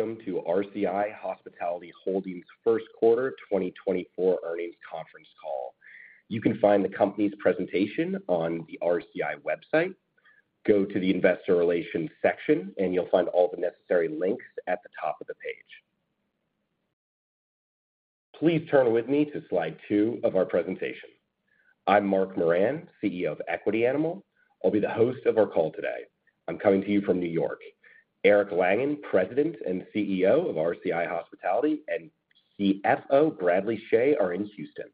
Welcome to RCI Hospitality Holdings First Quarter 2024 Earnings Conference Call. You can find the company's presentation on the RCI website. Go to the Investor Relations section, and you'll find all the necessary links at the top of the page. Please turn with me to slide 2 of our presentation. I'm Mark Moran, CEO of Equity Animal. I'll be the host of our call today. I'm coming to you from New York. Eric Langan, President and CEO of RCI Hospitality, and CFO Bradley Chhay, are in Houston.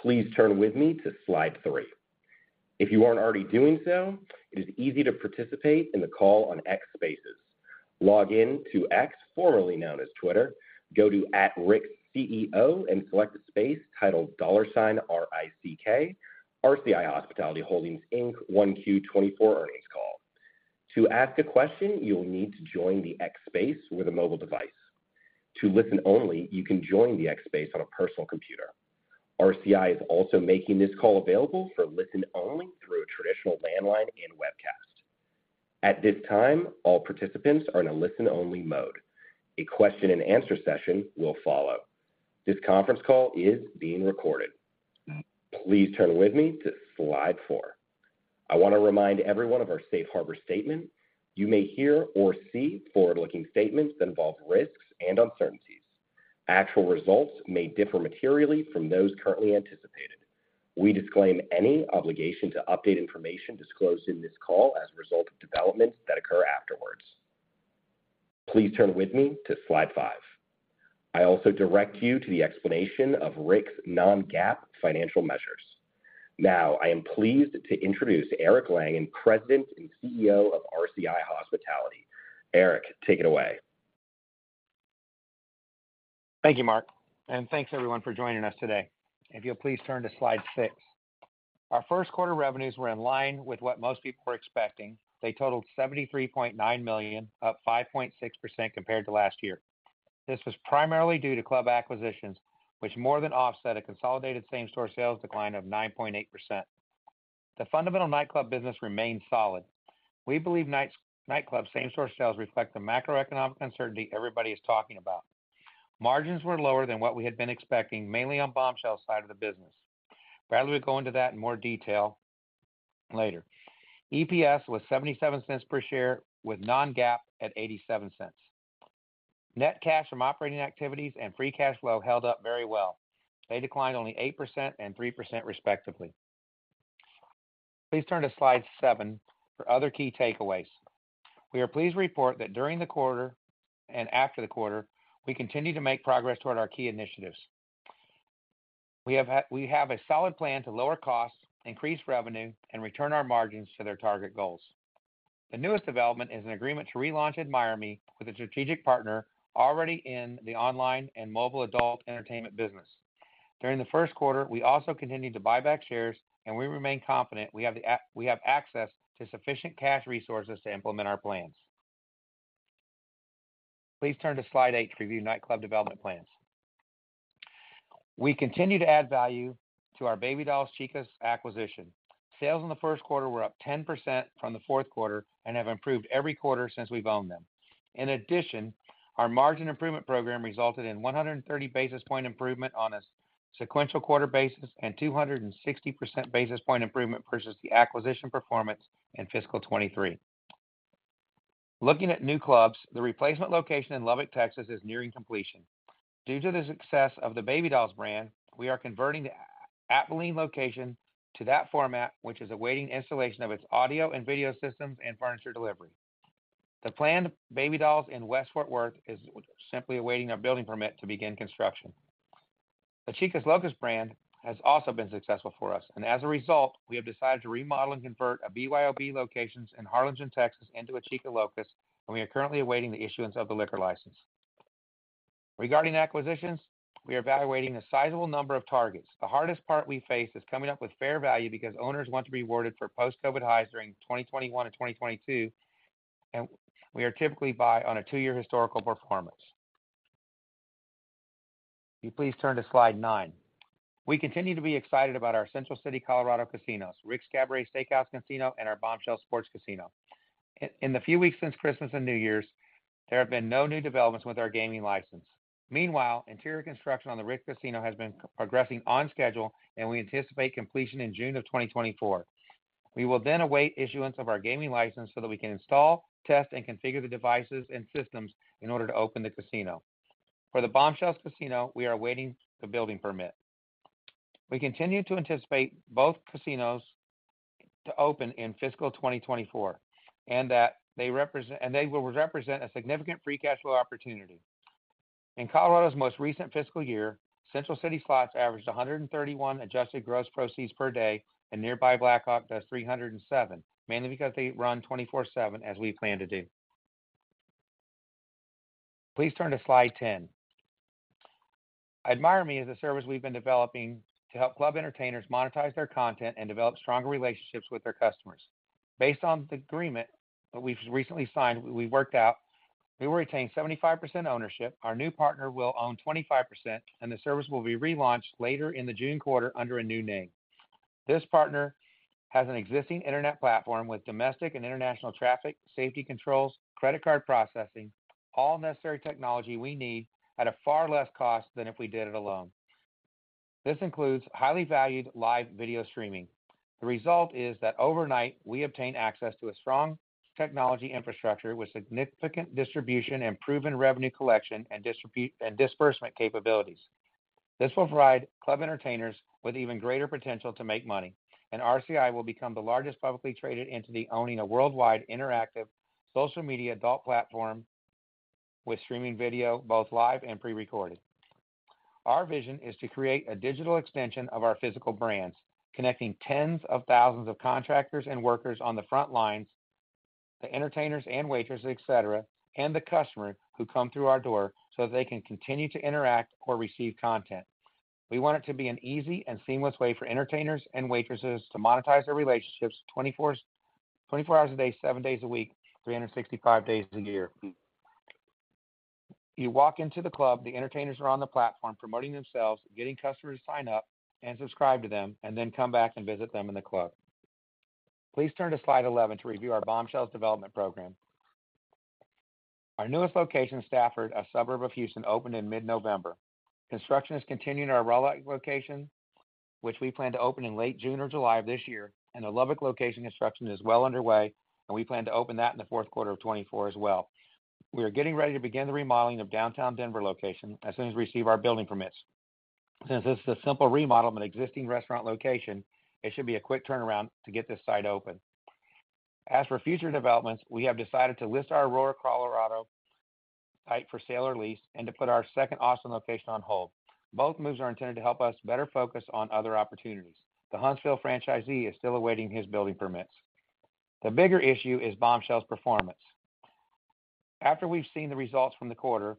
Please turn with me to slide 3. If you aren't already doing so, it is easy to participate in the call on X Spaces. Log in to X, formerly known as Twitter, go to @RICKCEO and select the space titled $RICK, RCI Hospitality Holdings, Inc. 1Q 2024 earnings call. To ask a question, you'll need to join the X Spaces with a mobile device. To listen only, you can join the X Spaces on a personal computer. RCI is also making this call available for listen only through a traditional landline and webcast. At this time, all participants are in a listen-only mode. A question and answer session will follow. This conference call is being recorded. Please turn with me to slide 4. I want to remind everyone of our safe harbor statement. You may hear or see forward-looking statements that involve risks and uncertainties. Actual results may differ materially from those currently anticipated. We disclaim any obligation to update information disclosed in this call as a result of developments that occur afterwards. Please turn with me to slide 5. I also direct you to the explanation of RICK's non-GAAP financial measures. Now, I am pleased to introduce Eric Langan, President and CEO of RCI Hospitality. Eric, take it away. Thank you, Mark, and thanks everyone for joining us today. If you'll please turn to slide 6. Our first quarter revenues were in line with what most people were expecting. They totaled $73.9 million, up 5.6% compared to last year. This was primarily due to club acquisitions, which more than offset a consolidated same-store sales decline of 9.8%. The fundamental nightclub business remains solid. We believe nightclubs same-store sales reflect the macroeconomic uncertainty everybody is talking about. Margins were lower than what we had been expecting, mainly on Bombshells' side of the business. Bradley will go into that in more detail later. EPS was $0.77 per share, with non-GAAP at $0.87. Net cash from operating activities and free cash flow held up very well. They declined only 8% and 3%, respectively. Please turn to slide 7 for other key takeaways. We are pleased to report that during the quarter and after the quarter, we continue to make progress toward our key initiatives. We have a solid plan to lower costs, increase revenue, and return our margins to their target goals. The newest development is an agreement to relaunch AdmireMe with a strategic partner already in the online and mobile adult entertainment business. During the first quarter, we also continued to buy back shares, and we remain confident we have access to sufficient cash resources to implement our plans. Please turn to slide 8 to review nightclub development plans. We continue to add value to our Baby Dolls Chicas acquisition. Sales in the first quarter were up 10% from the fourth quarter and have improved every quarter since we've owned them. In addition, our margin improvement program resulted in 130 basis point improvement on a sequential quarter basis and 260 basis point improvement versus the acquisition performance in fiscal 2023. Looking at new clubs, the replacement location in Lubbock, Texas, is nearing completion. Due to the success of the Baby Dolls brand, we are converting the Abilene location to that format, which is awaiting installation of its audio and video systems and furniture delivery. The planned Baby Dolls in West Fort Worth is simply awaiting a building permit to begin construction. The Chicas Locas brand has also been successful for us, and as a result, we have decided to remodel and convert a BYOB location in Harlingen, Texas, into a Chicas Locas, and we are currently awaiting the issuance of the liquor license. Regarding acquisitions, we are evaluating a sizable number of targets. The hardest part we face is coming up with fair value because owners want to be rewarded for post-COVID highs during 2021 and 2022, and we are typically buy on a two-year historical performance. Will you please turn to slide 9. We continue to be excited about our Central City, Colorado casinos, Rick's Cabaret Steakhouse Casino, and our Bombshells Sports Casino. In the few weeks since Christmas and New Year's, there have been no new developments with our gaming license. Meanwhile, interior construction on the Rick Casino has been progressing on schedule, and we anticipate completion in June of 2024. We will then await issuance of our gaming license so that we can install, test, and configure the devices and systems in order to open the casino. For the Bombshells Casino, we are awaiting the building permit. We continue to anticipate both casinos to open in fiscal 2024, and that they represent a significant free cash flow opportunity. In Colorado's most recent fiscal year, Central City slots averaged 131 adjusted gross proceeds per day, and nearby Black Hawk does 307, mainly because they run 24/7, as we plan to do. Please turn to slide 10. AdmireMe is a service we've been developing to help club entertainers monetize their content and develop stronger relationships with their customers. Based on the agreement that we've recently signed, we worked out, we will retain 75% ownership. Our new partner will own 25%, and the service will be relaunched later in the June quarter under a new name.... This partner has an existing internet platform with domestic and international traffic, safety controls, credit card processing, all necessary technology we need at a far less cost than if we did it alone. This includes highly valued live video streaming. The result is that overnight, we obtain access to a strong technology infrastructure with significant distribution and proven revenue collection and dispute- and disbursement capabilities. This will provide club entertainers with even greater potential to make money, and RCI will become the largest publicly traded entity, owning a worldwide interactive social media adult platform with streaming video, both live and pre-recorded. Our vision is to create a digital extension of our physical brands, connecting tens of thousands of contractors and workers on the front lines, the entertainers and waitresses, et cetera, and the customers who come through our door so they can continue to interact or receive content. We want it to be an easy and seamless way for entertainers and waitresses to monetize their relationships 24 hours a day, 7 days a week, 365 days a year. You walk into the club, the entertainers are on the platform, promoting themselves, getting customers to sign up and subscribe to them, and then come back and visit them in the club. Please turn to slide 11 to review our Bombshells development program. Our newest location, Stafford, a suburb of Houston, opened in mid-November. Construction is continuing in our Rowlett location, which we plan to open in late June or July of this year, and the Lubbock location construction is well underway, and we plan to open that in the fourth quarter of 2024 as well. We are getting ready to begin the remodeling of downtown Denver location as soon as we receive our building permits. Since this is a simple remodel of an existing restaurant location, it should be a quick turnaround to get this site open. As for future developments, we have decided to list our Aurora, Colorado, site for sale or lease and to put our second Austin location on hold. Both moves are intended to help us better focus on other opportunities. The Huntsville franchisee is still awaiting his building permits. The bigger issue is Bombshells' performance. After we've seen the results from the quarter,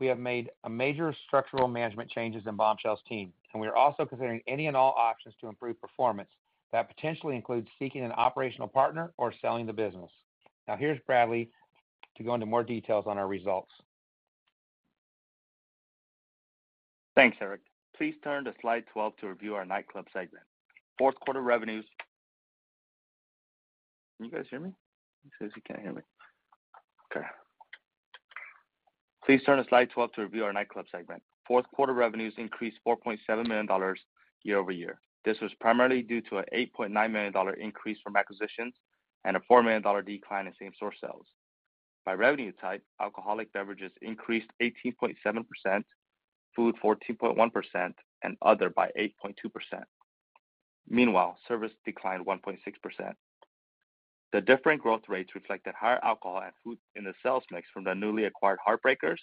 we have made a major structural management changes in Bombshells' team, and we are also considering any and all options to improve performance. That potentially includes seeking an operational partner or selling the business. Now, here's Bradley to go into more details on our results. Thanks, Eric. Please turn to slide 12 to review our nightclub segment. Fourth quarter revenues... Can you guys hear me? He says you can't hear me. Okay. Please turn to slide 12 to review our nightclub segment. Fourth-quarter revenues increased $4.7 million year over year. This was primarily due to an $8.9 million increase from acquisitions and a $4 million decline in same-store sales. By revenue type, alcoholic beverages increased 18.7%, food, 14.1%, and other by 8.2%. Meanwhile, service declined 1.6%. The different growth rates reflected higher alcohol and food in the sales mix from the newly acquired Heartbreakers,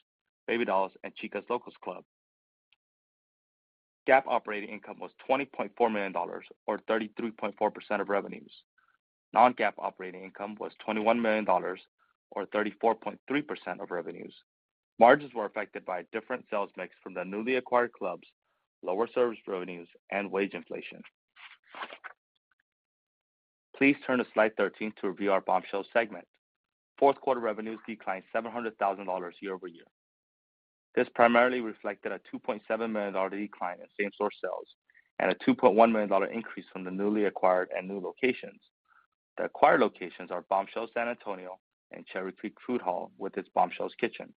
Baby Dolls, and Chicas Locas club. GAAP operating income was $20.4 million or 33.4% of revenues. Non-GAAP operating income was $21 million, or 34.3% of revenues. Margins were affected by a different sales mix from the newly acquired clubs, lower service revenues, and wage inflation. Please turn to slide 13 to review our Bombshells segment. Fourth quarter revenues declined $700,000 year-over-year. This primarily reflected a $2.7 million decline in same-store sales and a $2.1 million increase from the newly acquired and new locations. The acquired locations are Bombshells San Antonio and Cherry Creek Food Hall, with its Bombshells Kitchen.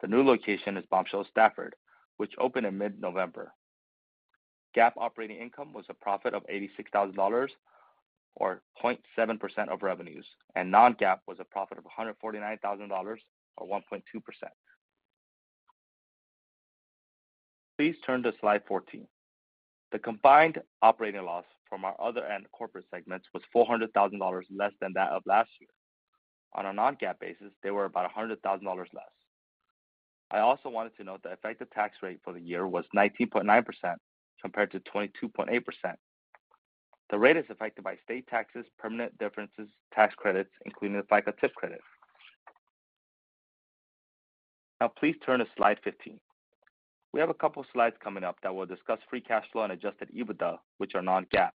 The new location is Bombshells Stafford, which opened in mid-November. GAAP operating income was a profit of $86,000, or 0.7% of revenues, and non-GAAP was a profit of $149,000, or 1.2%. Please turn to slide 14. The combined operating loss from our other and corporate segments was $400,000 less than that of last year. On a non-GAAP basis, they were about $100,000 less. I also wanted to note the effective tax rate for the year was 19.9%, compared to 22.8%. The rate is affected by state taxes, permanent differences, tax credits, including the FICA tip credit. Now, please turn to slide 15. We have a couple of slides coming up that will discuss free cash flow and adjusted EBITDA, which are non-GAAP.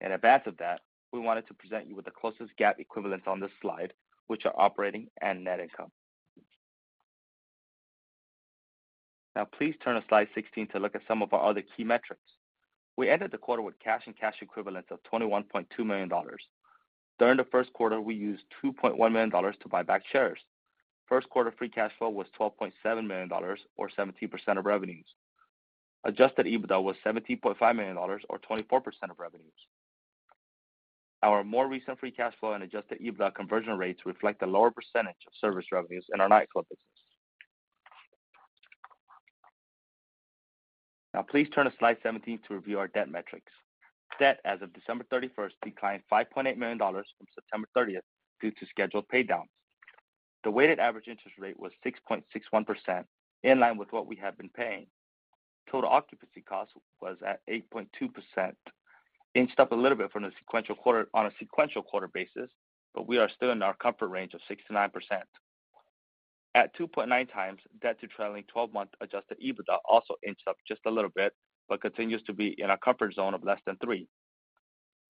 In advance of that, we wanted to present you with the closest GAAP equivalent on this slide, which are operating and net income. Now, please turn to slide 16 to look at some of our other key metrics. We ended the quarter with cash and cash equivalents of $21.2 million. During the first quarter, we used $2.1 million to buy back shares. First quarter free cash flow was $12.7 million, or 17% of revenues. Adjusted EBITDA was $17.5 million, or 24% of revenues. Our more recent free cash flow and adjusted EBITDA conversion rates reflect a lower percentage of service revenues in our nightclub business. Now, please turn to slide 17 to review our debt metrics. Debt as of December 31st declined $5.8 million from September 30th due to scheduled paydowns. The weighted average interest rate was 6.61%, in line with what we have been paying. Total occupancy cost was at 8.2%, inched up a little bit from the sequential quarter-on-quarter basis, but we are still in our comfort range of 6%-9%. At 2.9x, debt to trailing twelve-month Adjusted EBITDA also inched up just a little bit, but continues to be in our comfort zone of less than 3.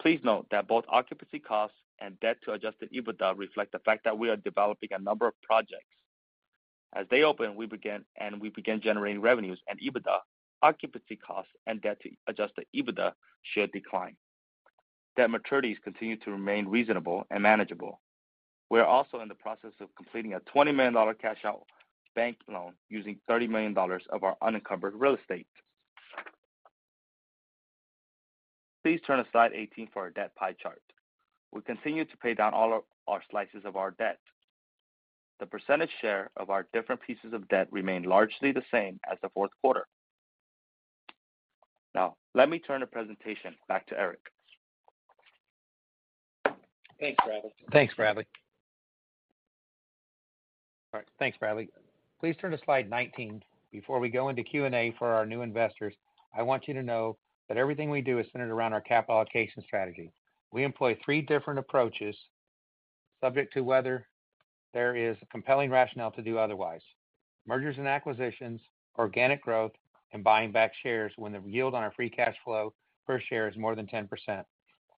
Please note that both occupancy costs and debt to Adjusted EBITDA reflect the fact that we are developing a number of projects. As they open, we begin generating revenues and EBITDA, occupancy costs and debt to Adjusted EBITDA should decline. Debt maturities continue to remain reasonable and manageable. We are also in the process of completing a $20 million cash-out bank loan using $30 million of our unencumbered real estate. Please turn to slide 18 for our debt pie chart. We continue to pay down all our slices of our debt. The percentage share of our different pieces of debt remain largely the same as the fourth quarter. Now, let me turn the presentation back to Eric. Thanks, Bradley. Thanks, Bradley. All right. Thanks, Bradley. Please turn to slide 19. Before we go into Q&A for our new investors, I want you to know that everything we do is centered around our capital allocation strategy. We employ three different approaches, subject to whether there is a compelling rationale to do otherwise: mergers and acquisitions, organic growth, and buying back shares when the yield on our free cash flow per share is more than 10%.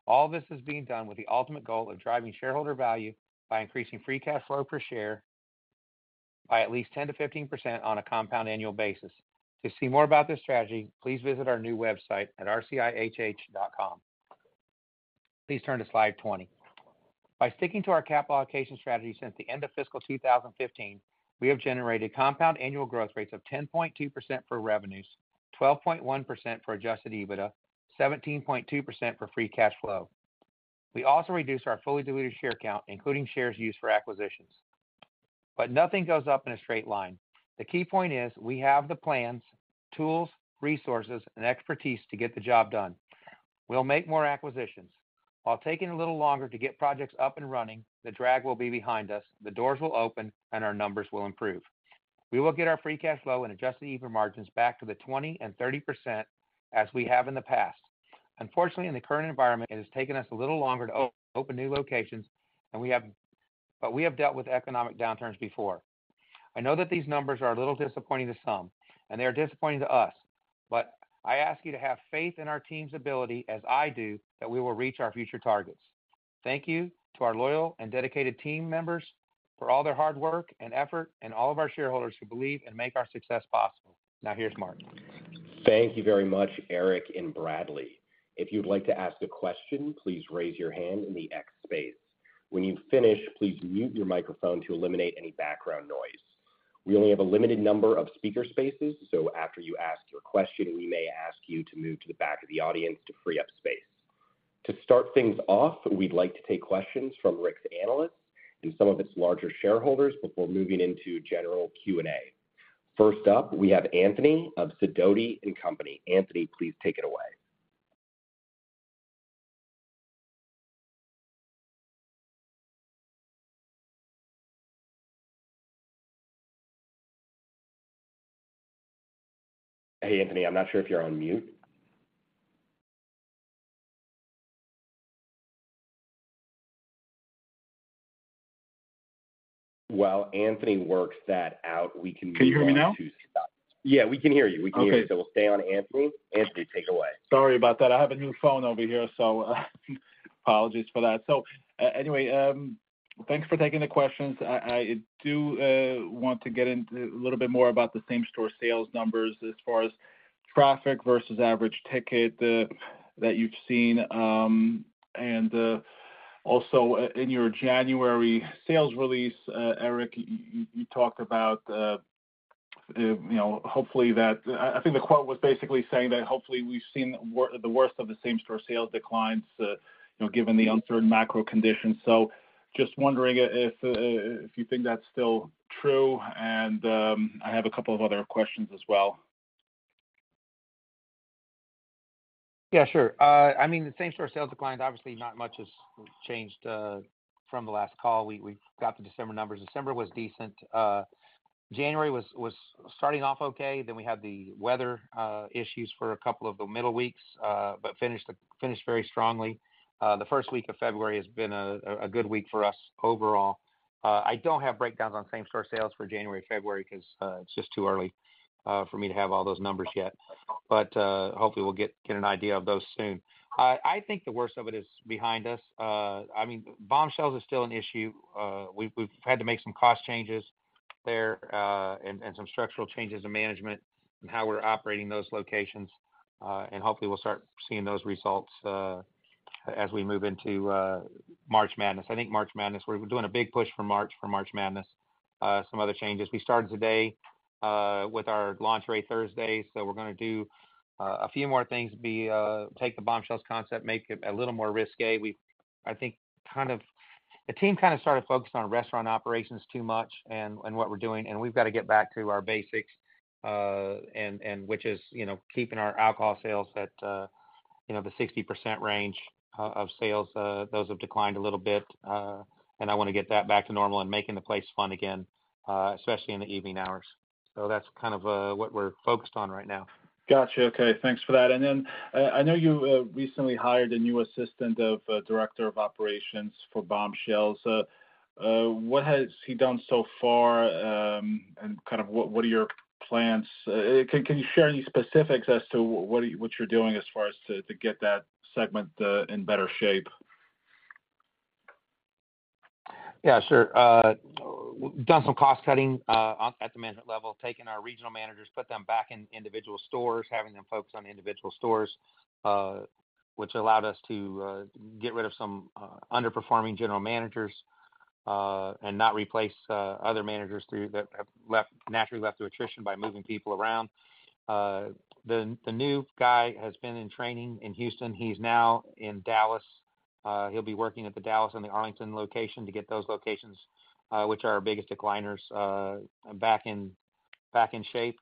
All this is being done with the ultimate goal of driving shareholder value by increasing free cash flow per share by at least 10%-15% on a compound annual basis. To see more about this strategy, please visit our new website at rcihh.com. Please turn to slide 20. By sticking to our cap allocation strategy since the end of fiscal 2015, we have generated compound annual growth rates of 10.2% for revenues, 12.1% for adjusted EBITDA, 17.2% for free cash flow. We also reduced our fully diluted share count, including shares used for acquisitions. But nothing goes up in a straight line. The key point is, we have the plans, tools, resources, and expertise to get the job done. We'll make more acquisitions. While taking a little longer to get projects up and running, the drag will be behind us, the doors will open, and our numbers will improve. We will get our free cash flow and adjusted EBIT margins back to the 20% and 30%, as we have in the past. Unfortunately, in the current environment, it has taken us a little longer to open new locations, and we have... But we have dealt with economic downturns before. I know that these numbers are a little disappointing to some, and they are disappointing to us, but I ask you to have faith in our team's ability, as I do, that we will reach our future targets. Thank you to our loyal and dedicated team members for all their hard work and effort and all of our shareholders who believe and make our success possible. Now, here's Mark. Thank you very much, Eric and Bradley. If you'd like to ask a question, please raise your hand in the X Spaces. When you finish, please mute your microphone to eliminate any background noise. We only have a limited number of speaker spaces, so after you ask your question, we may ask you to move to the back of the audience to free up space. To start things off, we'd like to take questions from Rick's analysts and some of its larger shareholders before moving into general Q&A. First up, we have Anthony of Sidoti & Company. Anthony, please take it away. Hey, Anthony, I'm not sure if you're on mute. While Anthony works that out, we can- Can you hear me now? Yeah, we can hear you. Okay. We can hear you. So we'll stay on Anthony. Anthony, take it away. Sorry about that. I have a new phone over here, so, apologies for that. So, anyway, thanks for taking the questions. I do want to get into a little bit more about the same-store sales numbers as far as traffic versus average ticket that you've seen. Also, in your January sales release, Eric, you talked about, you know, hopefully, that... I think the quote was basically saying that hopefully we've seen the worst of the same-store sales declines, you know, given the uncertain macro conditions. So just wondering if you think that's still true, and, I have a couple of other questions as well. Yeah, sure. I mean, the same-store Sales declines, obviously, not much has changed from the last call. We got the December numbers. December was decent. January was starting off okay, then we had the weather issues for a couple of the middle weeks, but finished very strongly. The first week of February has been a good week for us overall. I don't have breakdowns on same-store sales for January, February, because it's just too early for me to have all those numbers yet. But hopefully we'll get an idea of those soon. I think the worst of it is behind us. I mean, Bombshells is still an issue. We've had to make some cost changes there, and some structural changes in management and how we're operating those locations. And hopefully, we'll start seeing those results as we move into March Madness. I think March Madness, we're doing a big push for March, for March Madness, some other changes. We started today with our Lingerie Thursday, so we're gonna do a few more things, take the Bombshells concept, make it a little more risqué. I think, kind of the team kind of started focusing on restaurant operations too much and what we're doing, and we've got to get back to our basics, and which is, you know, keeping our alcohol sales at, you know, the 60% range of sales. Those have declined a little bit, and I want to get that back to normal and making the place fun again, especially in the evening hours. So that's kind of what we're focused on right now. Gotcha. Okay, thanks for that. And then, I know you recently hired a new assistant director of operations for Bombshells. What has he done so far, and kind of what are your plans? Can you share any specifics as to what you're doing to get that segment in better shape?... Yeah, sure. We've done some cost cutting on at the management level, taking our regional managers, put them back in individual stores, having them focus on individual stores, which allowed us to get rid of some underperforming general managers and not replace other managers through that have left, naturally left through attrition by moving people around. The new guy has been in training in Houston. He's now in Dallas. He'll be working at the Dallas and the Arlington location to get those locations, which are our biggest decliners, back in, back in shape.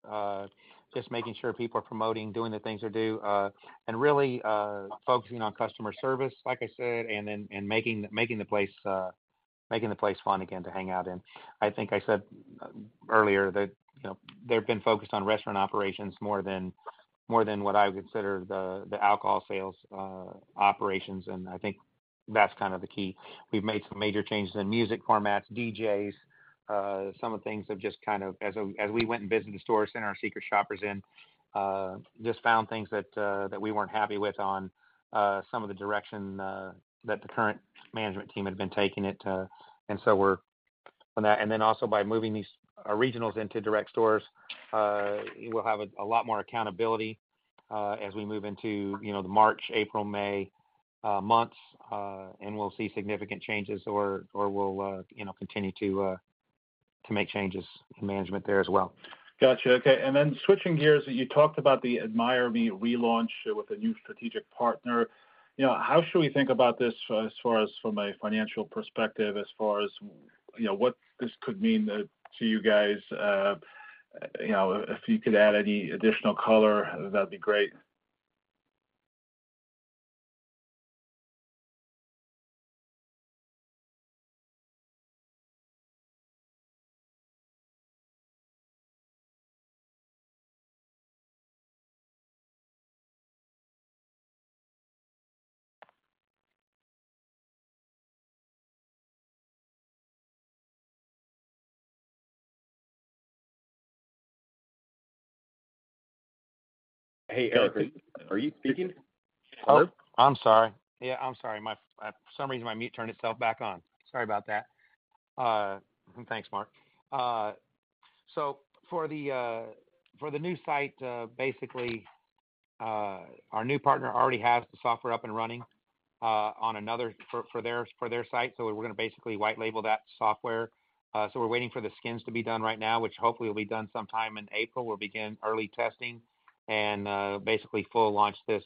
Just making sure people are promoting, doing the things they do and really focusing on customer service, like I said, and then and making, making the place making the place fun again to hang out in. I think I said earlier that, you know, they've been focused on restaurant operations more than what I would consider the alcohol sales operations, and I think that's kind of the key. We've made some major changes in music formats, DJs, some of the things have just kind of as we went and visited the stores and our secret shoppers in just found things that we weren't happy with on some of the direction that the current management team had been taking it, and so we're on that. And then also by moving these regionals into direct stores, we'll have a lot more accountability as we move into, you know, the March, April, May months, and we'll see significant changes or we'll, you know, continue to make changes in management there as well. Got you. Okay, and then switching gears, you talked about the AdmireMe relaunch with a new strategic partner. You know, how should we think about this as far as from a financial perspective, as far as, you know, what this could mean to you guys? You know, if you could add any additional color, that'd be great. Hey, Eric, are you speaking? Oh, I'm sorry. Yeah, I'm sorry. My—for some reason, my mute turned itself back on. Sorry about that. Thanks, Mark. So for the new site, basically, our new partner already has the software up and running on another for their site. So we're gonna basically white label that software. So we're waiting for the skins to be done right now, which hopefully will be done sometime in April. We'll begin early testing and basically full launch this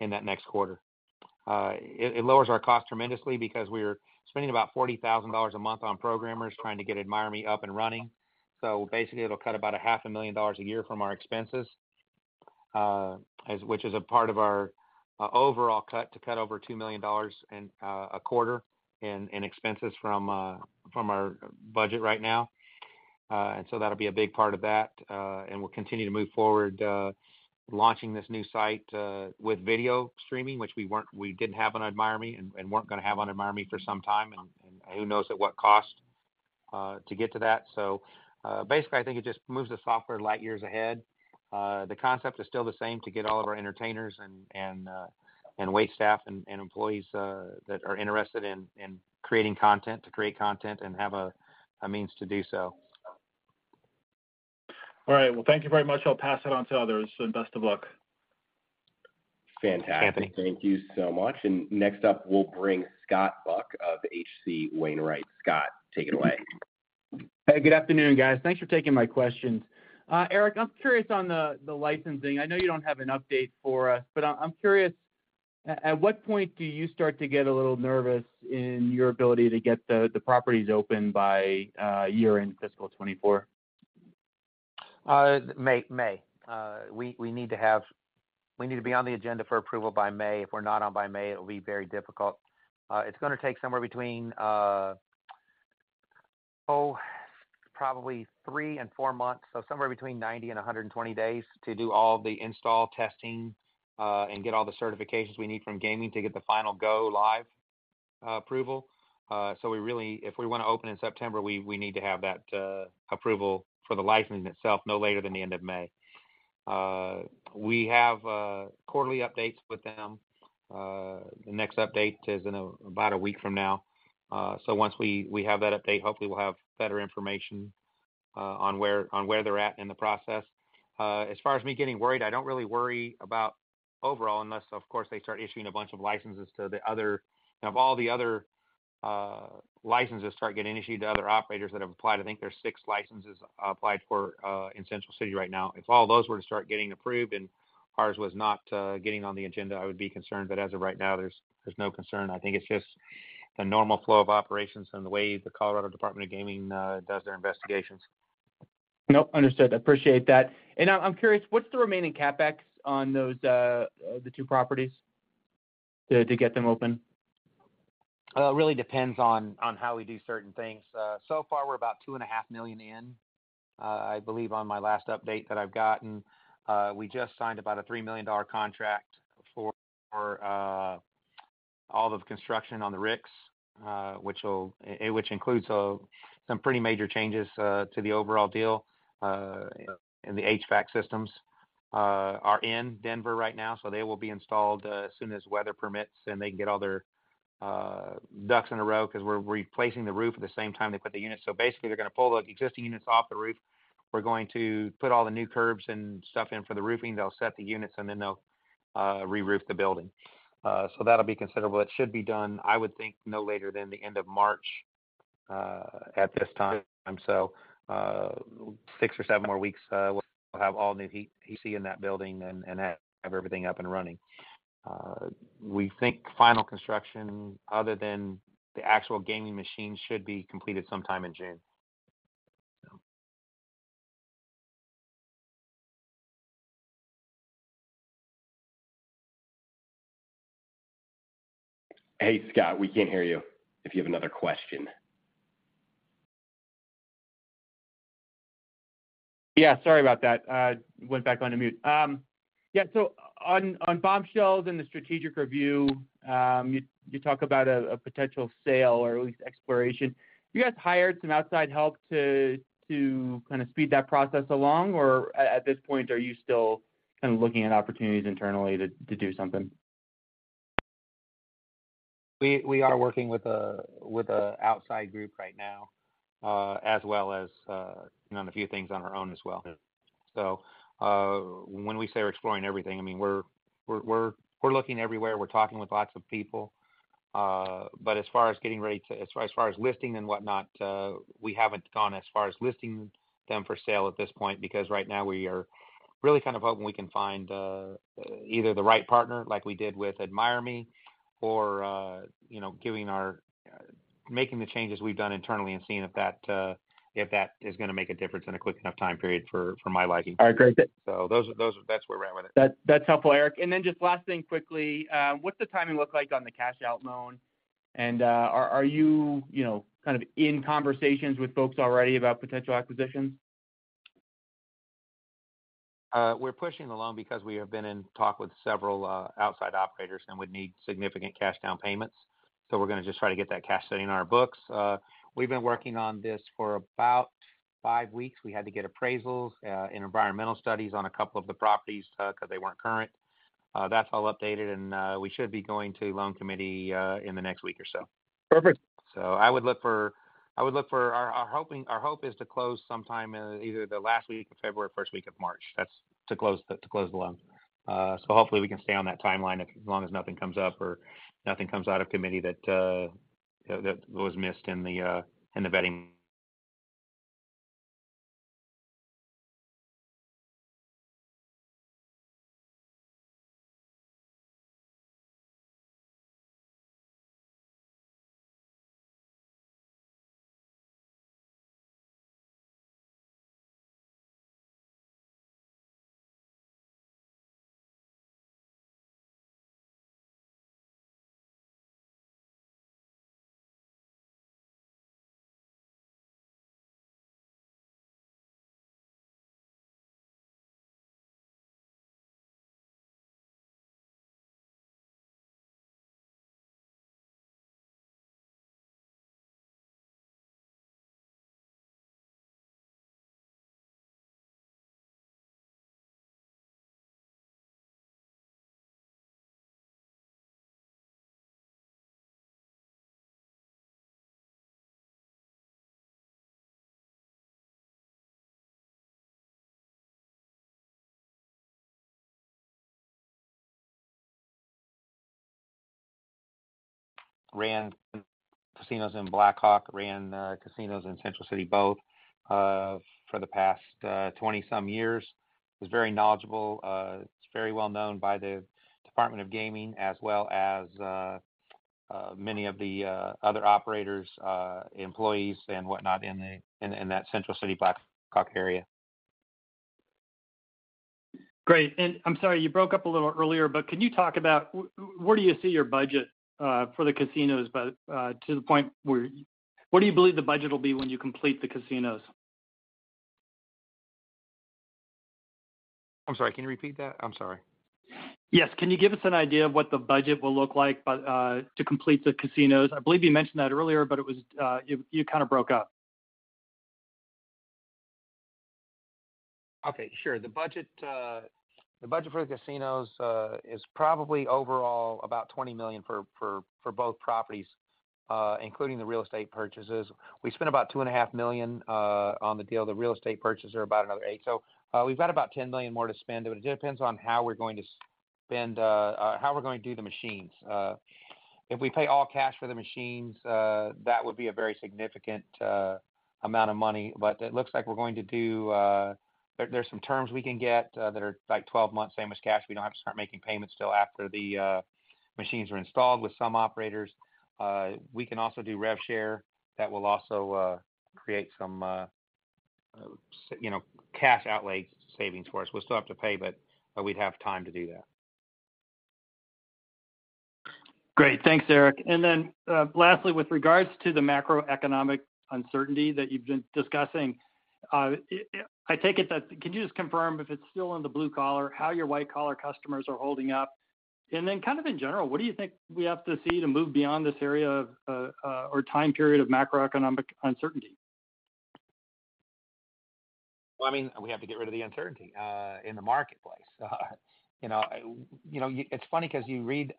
in that next quarter. It lowers our cost tremendously because we're spending about $40,000 a month on programmers trying to get AdmireMe up and running. So basically, it'll cut about $500,000 a year from our expenses, as which is a part of our overall cut to cut over $2 million in a quarter in expenses from our budget right now. And so that'll be a big part of that, and we'll continue to move forward launching this new site with video streaming, which we weren't we didn't have on AdmireMe and weren't gonna have on AdmireMe for some time, and who knows at what cost to get to that. So basically, I think it just moves the software light years ahead. The concept is still the same, to get all of our entertainers and waitstaff and employees that are interested in creating content, to create content and have a means to do so. All right. Well, thank you very much. I'll pass it on to others, so best of luck. Fantastic. Anthony. Thank you so much. And next up, we'll bring Scott Buck of H.C. Wainwright. Scott, take it away. Hey, good afternoon, guys. Thanks for taking my questions. Eric, I'm curious on the, the licensing. I know you don't have an update for us, but I'm, I'm curious, at, at what point do you start to get a little nervous in your ability to get the, the properties open by year-end fiscal 2024? May, May. We need to have-- We need to be on the agenda for approval by May. If we're not on by May, it'll be very difficult. It's gonna take somewhere between probably three and four months, so somewhere between 90 and 120 days to do all the install testing, and get all the certifications we need from Gaming to get the final go live approval. So we really... if we wanna open in September, we need to have that approval for the licensing itself no later than the end of May. We have quarterly updates with them. The next update is in about a week from now. So once we have that update, hopefully we'll have better information on where they're at in the process. As far as me getting worried, I don't really worry about overall, unless, of course, they start issuing a bunch of licenses to other operators that have applied. I think there's six licenses applied for in Central City right now. If all those were to start getting approved and ours was not getting on the agenda, I would be concerned. But as of right now, there's no concern. I think it's just the normal flow of operations and the way the Colorado Department of Gaming does their investigations. Nope, understood. I appreciate that. And I'm curious, what's the remaining CapEx on those, the two properties to get them open? It really depends on how we do certain things. So far, we're about $2.5 million in. I believe on my last update that I've gotten. We just signed about a $3 million contract for all the construction the Ricks, which includes some pretty major changes to the overall deal in the HVAC systems. The HVAC systems are in Denver right now, so they will be installed as soon as weather permits, and they can get all their ducks in a row, 'cause we're replacing the roof at the same time they put the units. So basically, they're gonna pull the existing units off the roof. We're going to put all the new curbs and stuff in for the roofing. They'll set the units, and then they'll reroof the building. So that'll be considerable. It should be done, I would think, no later than the end of March, at this time. So, six or seven more weeks, we'll have all new heating and AC in that building and have everything up and running. We think final construction, other than the actual gaming machines, should be completed sometime in June. Hey, Scott, we can't hear you, if you have another question. Yeah, sorry about that. Went back on to mute. Yeah, so on Bombshells and the strategic review, you talk about a potential sale or at least exploration. Have you guys hired some outside help to kind of speed that process along? Or at this point, are you still kind of looking at opportunities internally to do something? We are working with an outside group right now, as well as doing a few things on our own as well. Yeah. So, when we say we're exploring everything, I mean, we're looking everywhere. We're talking with lots of people. But as far as getting ready to, as far as listing and whatnot, we haven't gone as far as listing them for sale at this point, because right now we are really kind of hoping we can find either the right partner, like we did with AdmireMe, or, you know, giving our... making the changes we've done internally and seeing if that, if that is gonna make a difference in a quick enough time period for my liking. All right, great, thank- So those are, that's where we're at with it. That, that's helpful, Eric. And then just last thing quickly, what's the timing look like on the cash out loan? And, are you, you know, kind of in conversations with folks already about potential acquisitions? We're pushing the loan because we have been in talk with several outside operators and would need significant cash down payments. So we're gonna just try to get that cash sitting in our books. We've been working on this for about five weeks. We had to get appraisals and environmental studies on a couple of the properties 'cause they weren't current. That's all updated, and we should be going to loan committee in the next week or so. Perfect. So I would look for our hope is to close sometime in either the last week of February or first week of March. That's to close the loan. So hopefully we can stay on that timeline as long as nothing comes up or nothing comes out of committee that was missed in the vetting. Ran casinos in Black Hawk, ran casinos in Central City, both for the past 20-some years. He's very knowledgeable, he's very well known by the Department of Gaming, as well as many of the other operators, employees and whatnot in that Central City, Black Hawk area. Great. And I'm sorry, you broke up a little earlier, but can you talk about where do you see your budget for the casinos? But, to the point where... what do you believe the budget will be when you complete the casinos? I'm sorry, can you repeat that? I'm sorry. Yes. Can you give us an idea of what the budget will look like, but to complete the casinos? I believe you mentioned that earlier, but it was, you kind of broke up. Okay, sure. The budget for the casinos is probably overall about $20 million for both properties, including the real estate purchases. We spent about $2.5 million on the deal. The real estate purchases are about another $8 million. So, we've got about $10 million more to spend, but it depends on how we're going to spend how we're going to do the machines. If we pay all cash for the machines, that would be a very significant amount of money, but it looks like we're going to do... There are some terms we can get that are like 12 months, same as cash. We don't have to start making payments till after the machines are installed with some operators. We can also do rev share. That will also create some, you know, cash outlay savings for us. We'll still have to pay, but we'd have time to do that. Great. Thanks, Eric. And then, lastly, with regards to the macroeconomic uncertainty that you've been discussing, I take it that, can you just confirm if it's still on the blue collar, how your white-collar customers are holding up? And then kind of in general, what do you think we have to see to move beyond this area of, or time period of macroeconomic uncertainty?... Well, I mean, we have to get rid of the uncertainty in the marketplace. You know, you know, it's funny 'cause you read,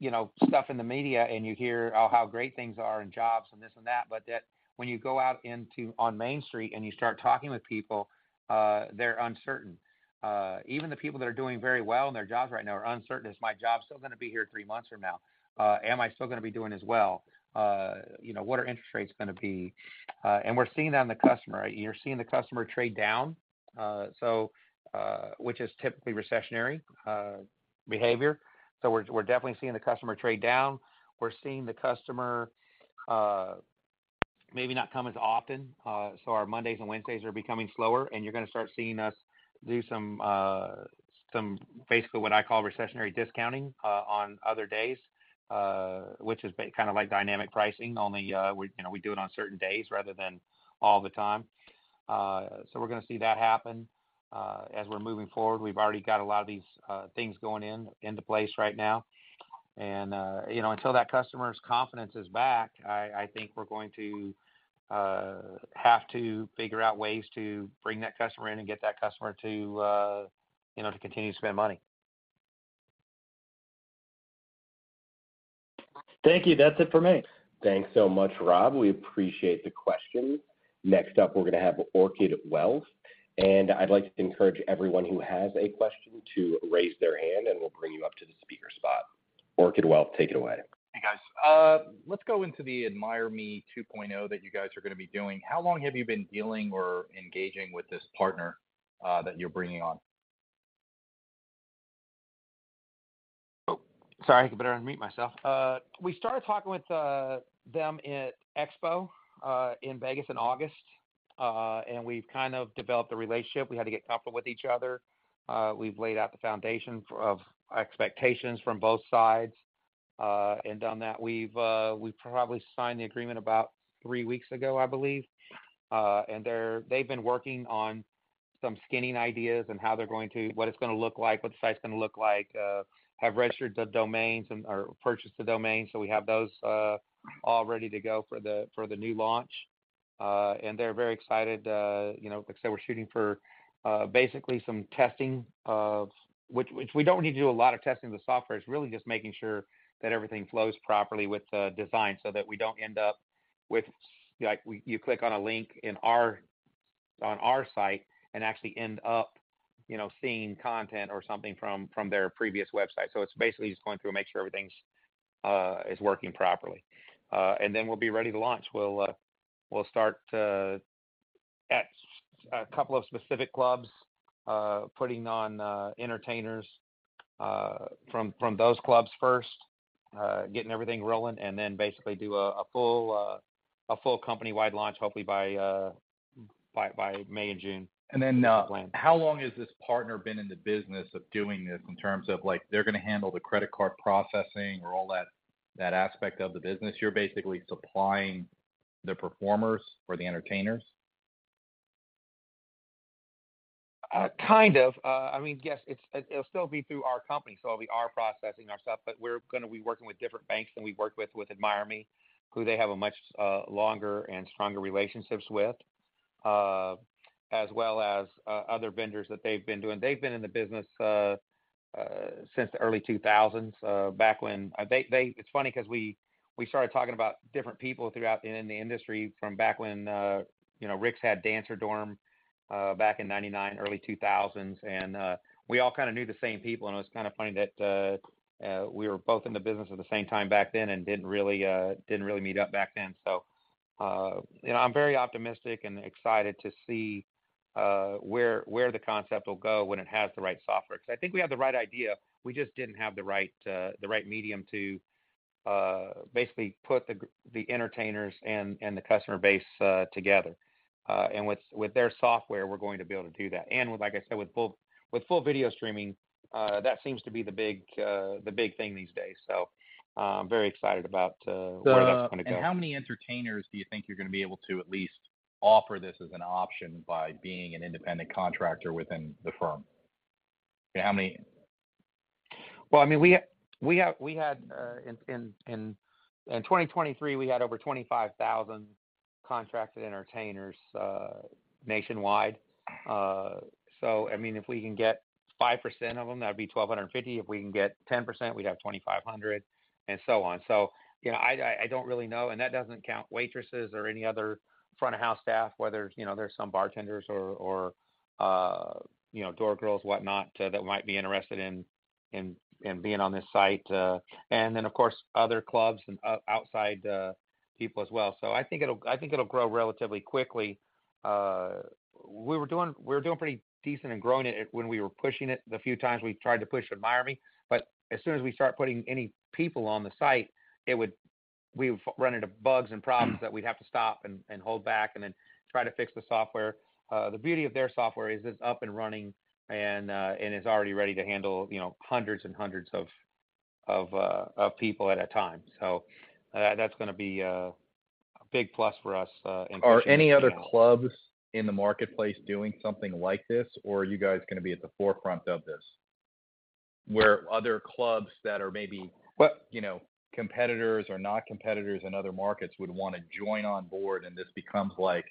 you know, stuff in the media, and you hear, oh, how great things are in jobs and this and that, but yet when you go out into, on Main Street and you start talking with people, they're uncertain. Even the people that are doing very well in their jobs right now are uncertain. Is my job still gonna be here three months from now? Am I still gonna be doing as well? You know, what are interest rates gonna be? And we're seeing that on the customer. You're seeing the customer trade down, so, which is typically recessionary behavior. So we're definitely seeing the customer trade down. We're seeing the customer, maybe not come as often. So our Mondays and Wednesdays are becoming slower, and you're gonna start seeing us do some basically what I call recessionary discounting, on other days, which is kind of like dynamic pricing, only, we, you know, we do it on certain days rather than all the time. So we're gonna see that happen, as we're moving forward. We've already got a lot of these things going into place right now. And, you know, until that customer's confidence is back, I think we're going to have to figure out ways to bring that customer in and get that customer to, you know, to continue to spend money. Thank you. That's it for me. Thanks so much, Rob. We appreciate the question. Next up, we're gonna have Orchid Wealth, and I'd like to encourage everyone who has a question to raise their hand, and we'll bring you up to the speaker spot. Orchid Wealth, take it away. Hey, guys. Let's go into the AdmireMe 2.0 that you guys are gonna be doing. How long have you been dealing or engaging with this partner that you're bringing on? Oh, sorry, I better unmute myself. We started talking with them at Expo in Vegas in August, and we've kind of developed a relationship. We had to get comfortable with each other. We've laid out the foundation for expectations from both sides, and on that we've probably signed the agreement about three weeks ago, I believe. And they're—they've been working on some skinning ideas and how they're going to... what it's gonna look like, what the site's gonna look like, have registered the domains and/or purchased the domains, so we have those all ready to go for the new launch. And they're very excited, you know, like I said, we're shooting for basically some testing of... which we don't need to do a lot of testing of the software. It's really just making sure that everything flows properly with the design, so that we don't end up with, like, you click on a link in our, on our site and actually end up, you know, seeing content or something from, from their previous website. So it's basically just going through and making sure everything's is working properly. And then we'll be ready to launch. We'll start at a couple of specific clubs putting on entertainers from those clubs first, getting everything rolling, and then basically do a full company-wide launch, hopefully by May and June. And then, how long has this partner been in the business of doing this in terms of, like, they're gonna handle the credit card processing or all that, that aspect of the business? You're basically supplying the performers or the entertainers? Kind of. I mean, yes, it's, it'll still be through our company, so we are processing our stuff, but we're gonna be working with different banks than we worked with, with AdmireMe, who they have a much longer and stronger relationships with, as well as other vendors that they've been doing. They've been in the business since the early 2000s, back when... They, it's funny 'cause we started talking about different people throughout the, in the industry from back when, you know, Ricks had Dancer Dorm, back in 1999, early 2000s. And, we all kind of knew the same people, and it was kind of funny that, we were both in the business at the same time back then and didn't really, didn't really meet up back then. So, you know, I'm very optimistic and excited to see where the concept will go when it has the right software. Because I think we have the right idea, we just didn't have the right medium to basically put the entertainers and the customer base together. And with their software, we're going to be able to do that. And like I said, with full video streaming, that seems to be the big thing these days. So, I'm very excited about where that's gonna go. How many entertainers do you think you're gonna be able to at least offer this as an option by being an independent contractor within the firm? How many? Well, I mean, we have... We had in 2023, we had over 25,000 contracted entertainers nationwide. So I mean, if we can get 5% of them, that'd be 1,250. If we can get 10%, we'd have 2,500, and so on. So, you know, I don't really know, and that doesn't count waitresses or any other front of house staff, whether, you know, there's some bartenders or door girls, whatnot, that might be interested in being on this site, and then, of course, other clubs and outside people as well. So I think it'll grow relatively quickly. We were doing pretty decent and growing it when we were pushing it, the few times we tried to push AdmireMe, but as soon as we start putting any people on the site, we would run into bugs and problems that we'd have to stop and hold back and then try to fix the software. The beauty of their software is it's up and running and is already ready to handle, you know, hundreds and hundreds of people at a time. So, that's gonna be a big plus for us in pushing it out. Are any other clubs in the marketplace doing something like this, or are you guys gonna be at the forefront of this?... where other clubs that are maybe, you know, competitors or not competitors in other markets would want to join on board, and this becomes like,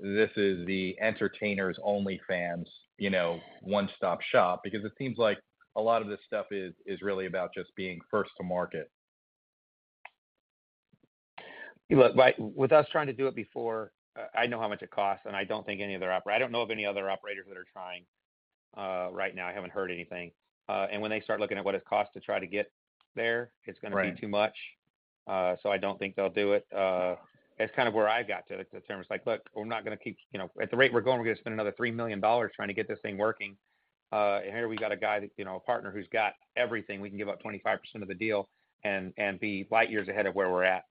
this is the entertainer's OnlyFans, you know, one-stop shop. Because it seems like a lot of this stuff is really about just being first to market. Look, with us trying to do it before, I know how much it costs, and I don't know of any other operators that are trying right now. I haven't heard anything. And when they start looking at what it costs to try to get there. Right It's gonna be too much. So I don't think they'll do it. That's kind of where I got to, the terms, like, look, we're not gonna keep... You know, at the rate we're going, we're gonna spend another $3 million trying to get this thing working. And here we got a guy that, you know, a partner who's got everything. We can give out 25% of the deal and, and be light years ahead of where we're at.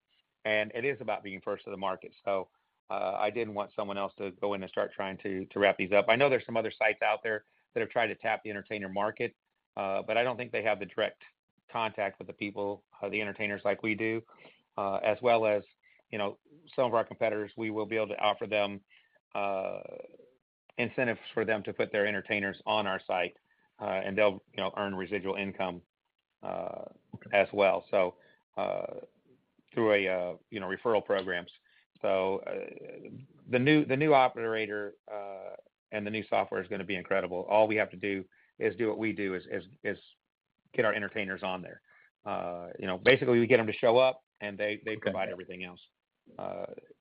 And it is about being first to the market. So I didn't want someone else to go in and start trying to, to wrap these up. I know there's some other sites out there that have tried to tap the entertainer market, but I don't think they have the direct contact with the people, the entertainers like we do. As well as, you know, some of our competitors, we will be able to offer them incentives for them to put their entertainers on our site, and they'll, you know, earn residual income, as well. So, through a, you know, referral programs. So, the new operator and the new software is gonna be incredible. All we have to do is do what we do, get our entertainers on there. You know, basically, we get them to show up, and they- Okay they provide everything else,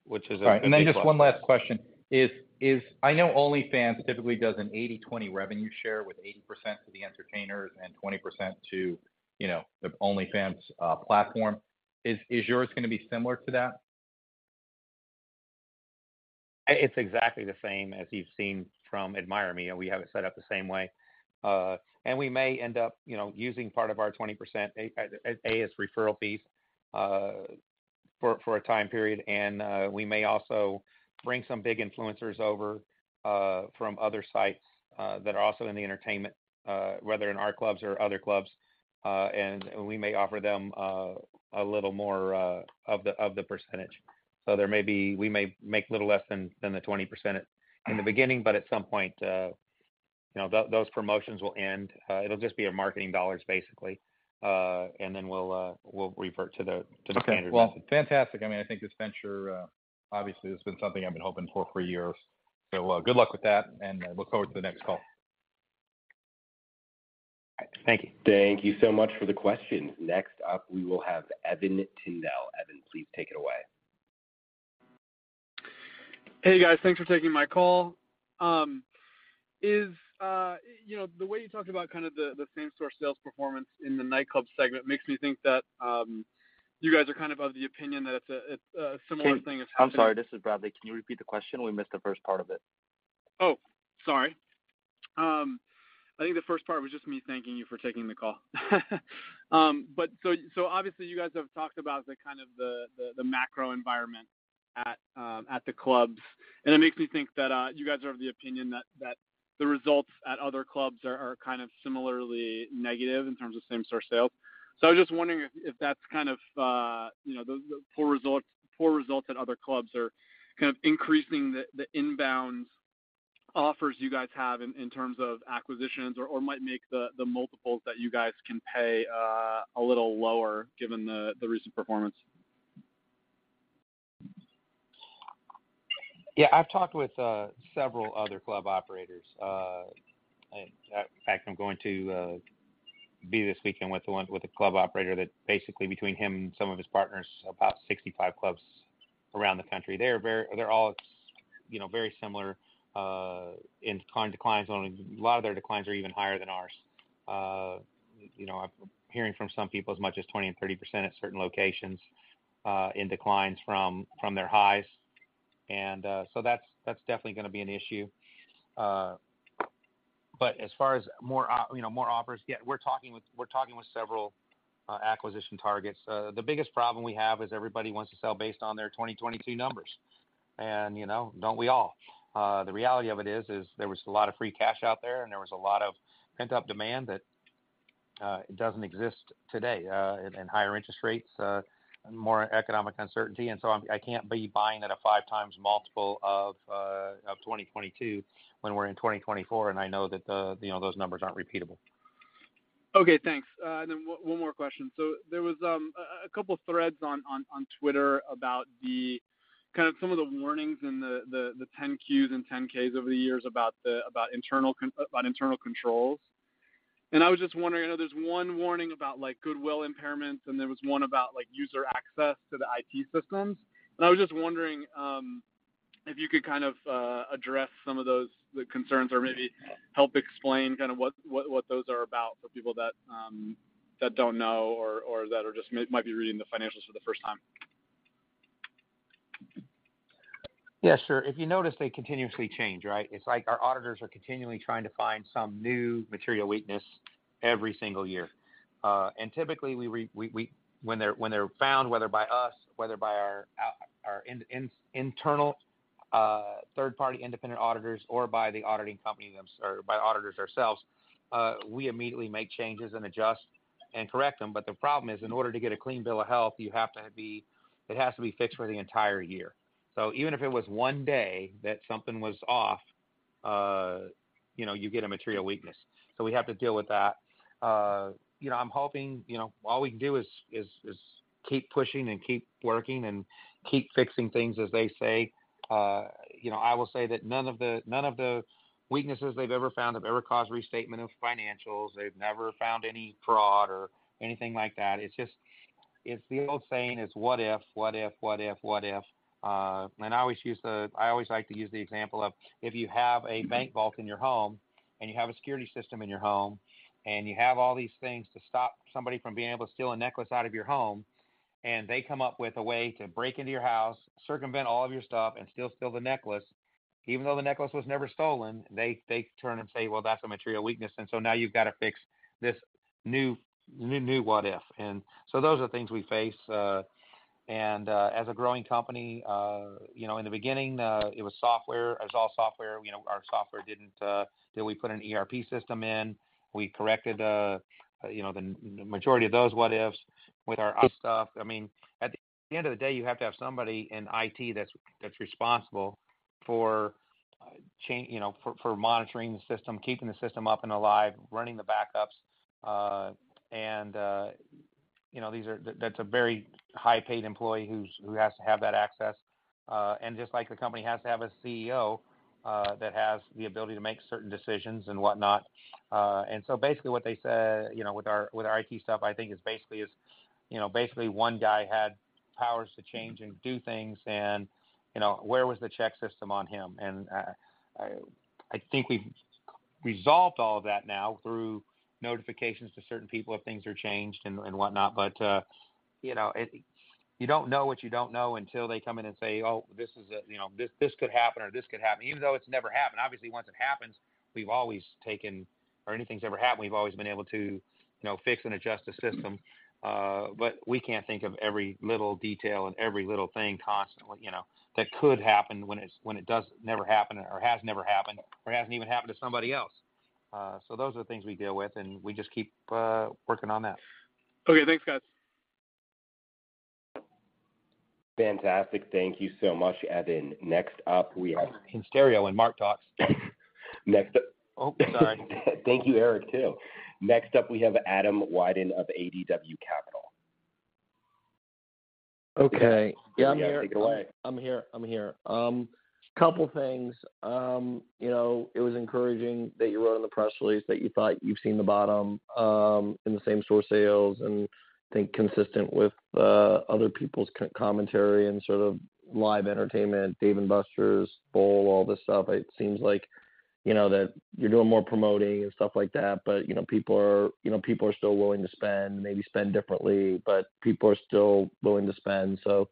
which is a- All right, and then just one last question: I know OnlyFans typically does an 80-20 revenue share, with 80% to the entertainers and 20% to, you know, the OnlyFans platform. Is yours gonna be similar to that? It's exactly the same as you've seen from AdmireMe, and we have it set up the same way. And we may end up, you know, using part of our 20% as referral fees for a time period. And we may also bring some big influencers over from other sites that are also in the entertainment, whether in our clubs or other clubs. And we may offer them a little more of the percentage. So there may be... We may make a little less than the 20% in the beginning, but at some point, you know, those promotions will end. It'll just be our marketing dollars, basically. And then we'll revert to the standard. Okay. Well, fantastic. I mean, I think this venture, obviously, this has been something I've been hoping for for years. So, good luck with that, and, look forward to the next call. Thank you. Thank you so much for the question. Next up, we will have Evan Tindell. Evan, please take it away. Hey, guys. Thanks for taking my call. You know, the way you talked about kind of the same-store sales performance in the nightclub segment makes me think that you guys are kind of of the opinion that it's a similar thing is happening- I'm sorry, this is Bradley. Can you repeat the question? We missed the first part of it. Oh, sorry. I think the first part was just me thanking you for taking the call. But so obviously, you guys have talked about the kind of macro environment at the clubs, and it makes me think that you guys are of the opinion that the results at other clubs are kind of similarly negative in terms of same-store sales. So I was just wondering if that's kind of, you know, the poor results at other clubs are kind of increasing the inbound offers you guys have in terms of acquisitions or might make the multiples that you guys can pay a little lower, given the recent performance. Yeah, I've talked with several other club operators. In fact, I'm going to be this weekend with the ones, with a club operator that basically between him and some of his partners, about 65 clubs around the country. They're very, they're all, you know, very similar in terms of declines. Only a lot of their declines are even higher than ours. You know, I'm hearing from some people as much as 20% and 30% at certain locations in declines from their highs. And so that's definitely gonna be an issue. But as far as more, you know, more offers, yeah, we're talking with several acquisition targets. The biggest problem we have is everybody wants to sell based on their 2022 numbers, and, you know, don't we all? The reality of it is, there was a lot of free cash out there, and there was a lot of pent-up demand that, doesn't exist today. And higher interest rates, more economic uncertainty, and so I can't be buying at a 5x multiple of 2022, when we're in 2024, and I know that the, you know, those numbers aren't repeatable. Okay, thanks. Then one more question. So there was a couple of threads on Twitter about the kind of some of the warnings in the 10-Qs andM10-Ks over the years about the about internal controls. And I was just wondering, I know there's one warning about, like, goodwill impairments, and there was one about, like, user access to the IT systems. And I was just wondering if you could kind of address some of those concerns or maybe help explain kind of what those are about for people that don't know or that are just might be reading the financials for the first time. Yes, sure. If you notice, they continuously change, right? It's like our auditors are continually trying to find some new Material Weakness every single year. And typically, when they're found, whether by us, whether by our internal third-party independent auditors or by the auditing company or by auditors ourselves, we immediately make changes and adjust and correct them. But the problem is, in order to get a clean bill of health, it has to be fixed for the entire year. So even if it was one day that something was off, you know, you get a Material Weakness. So we have to deal with that. You know, I'm hoping, you know, all we can do is keep pushing and keep working and keep fixing things, as they say. You know, I will say that none of the weaknesses they've ever found have ever caused restatement of financials. They've never found any fraud or anything like that. It's just the old saying, what if, what if, what if, what if? I always like to use the example of, if you have a bank vault in your home, and you have a security system in your home, and you have all these things to stop somebody from being able to steal a necklace out of your home, and they come up with a way to break into your house, circumvent all of your stuff, and still steal the necklace, even though the necklace was never stolen, they, they turn and say, "Well, that's a material weakness," and so now you've got to fix this new, new, new what if. And so those are the things we face, and, as a growing company, you know, in the beginning, it was software. It was all software. You know, our software didn't... Then we put an ERP system in. We corrected, you know, the majority of those what-ifs with our stuff. I mean, at the end of the day, you have to have somebody in IT that's responsible for you know, for monitoring the system, keeping the system up and alive, running the backups, and you know, these are. That's a very high-paid employee who has to have that access, and just like the company has to have a CEO that has the ability to make certain decisions and whatnot. And so basically what they said, you know, with our IT stuff, I think is basically, you know, basically one guy had powers to change and do things and, you know, where was the check system on him? I think we've resolved all of that now through notifications to certain people if things are changed and whatnot. But, you know, you don't know what you don't know until they come in and say, "Oh, this is a, you know, this, this could happen or this could happen," even though it's never happened. Obviously, once it happens, we've always taken... or anything's ever happened, we've always been able to, you know, fix and adjust the system. But we can't think of every little detail and every little thing constantly, you know, that could happen when it does never happen or has never happened or hasn't even happened to somebody else. So those are the things we deal with, and we just keep working on that. Okay, thanks, guys. Fantastic. Thank you so much, Evan. Next up, we have- In stereo when Mark talks. Next up- Oh, sorry. Thank you, Eric, too. Next up, we have Adam Wyden of ADW Capital. Okay. Yeah, I'm here. Take it away. I'm here. I'm here. Couple things. You know, it was encouraging that you wrote in the press release that you thought you've seen the bottom in the same-store sales, and I think consistent with other people's commentary and sort of live entertainment, Dave & Buster's, Bowl, all this stuff, it seems like, you know, that you're doing more promoting and stuff like that. But, you know, people are, you know, people are still willing to spend, maybe spend differently, but people are still willing to spend, so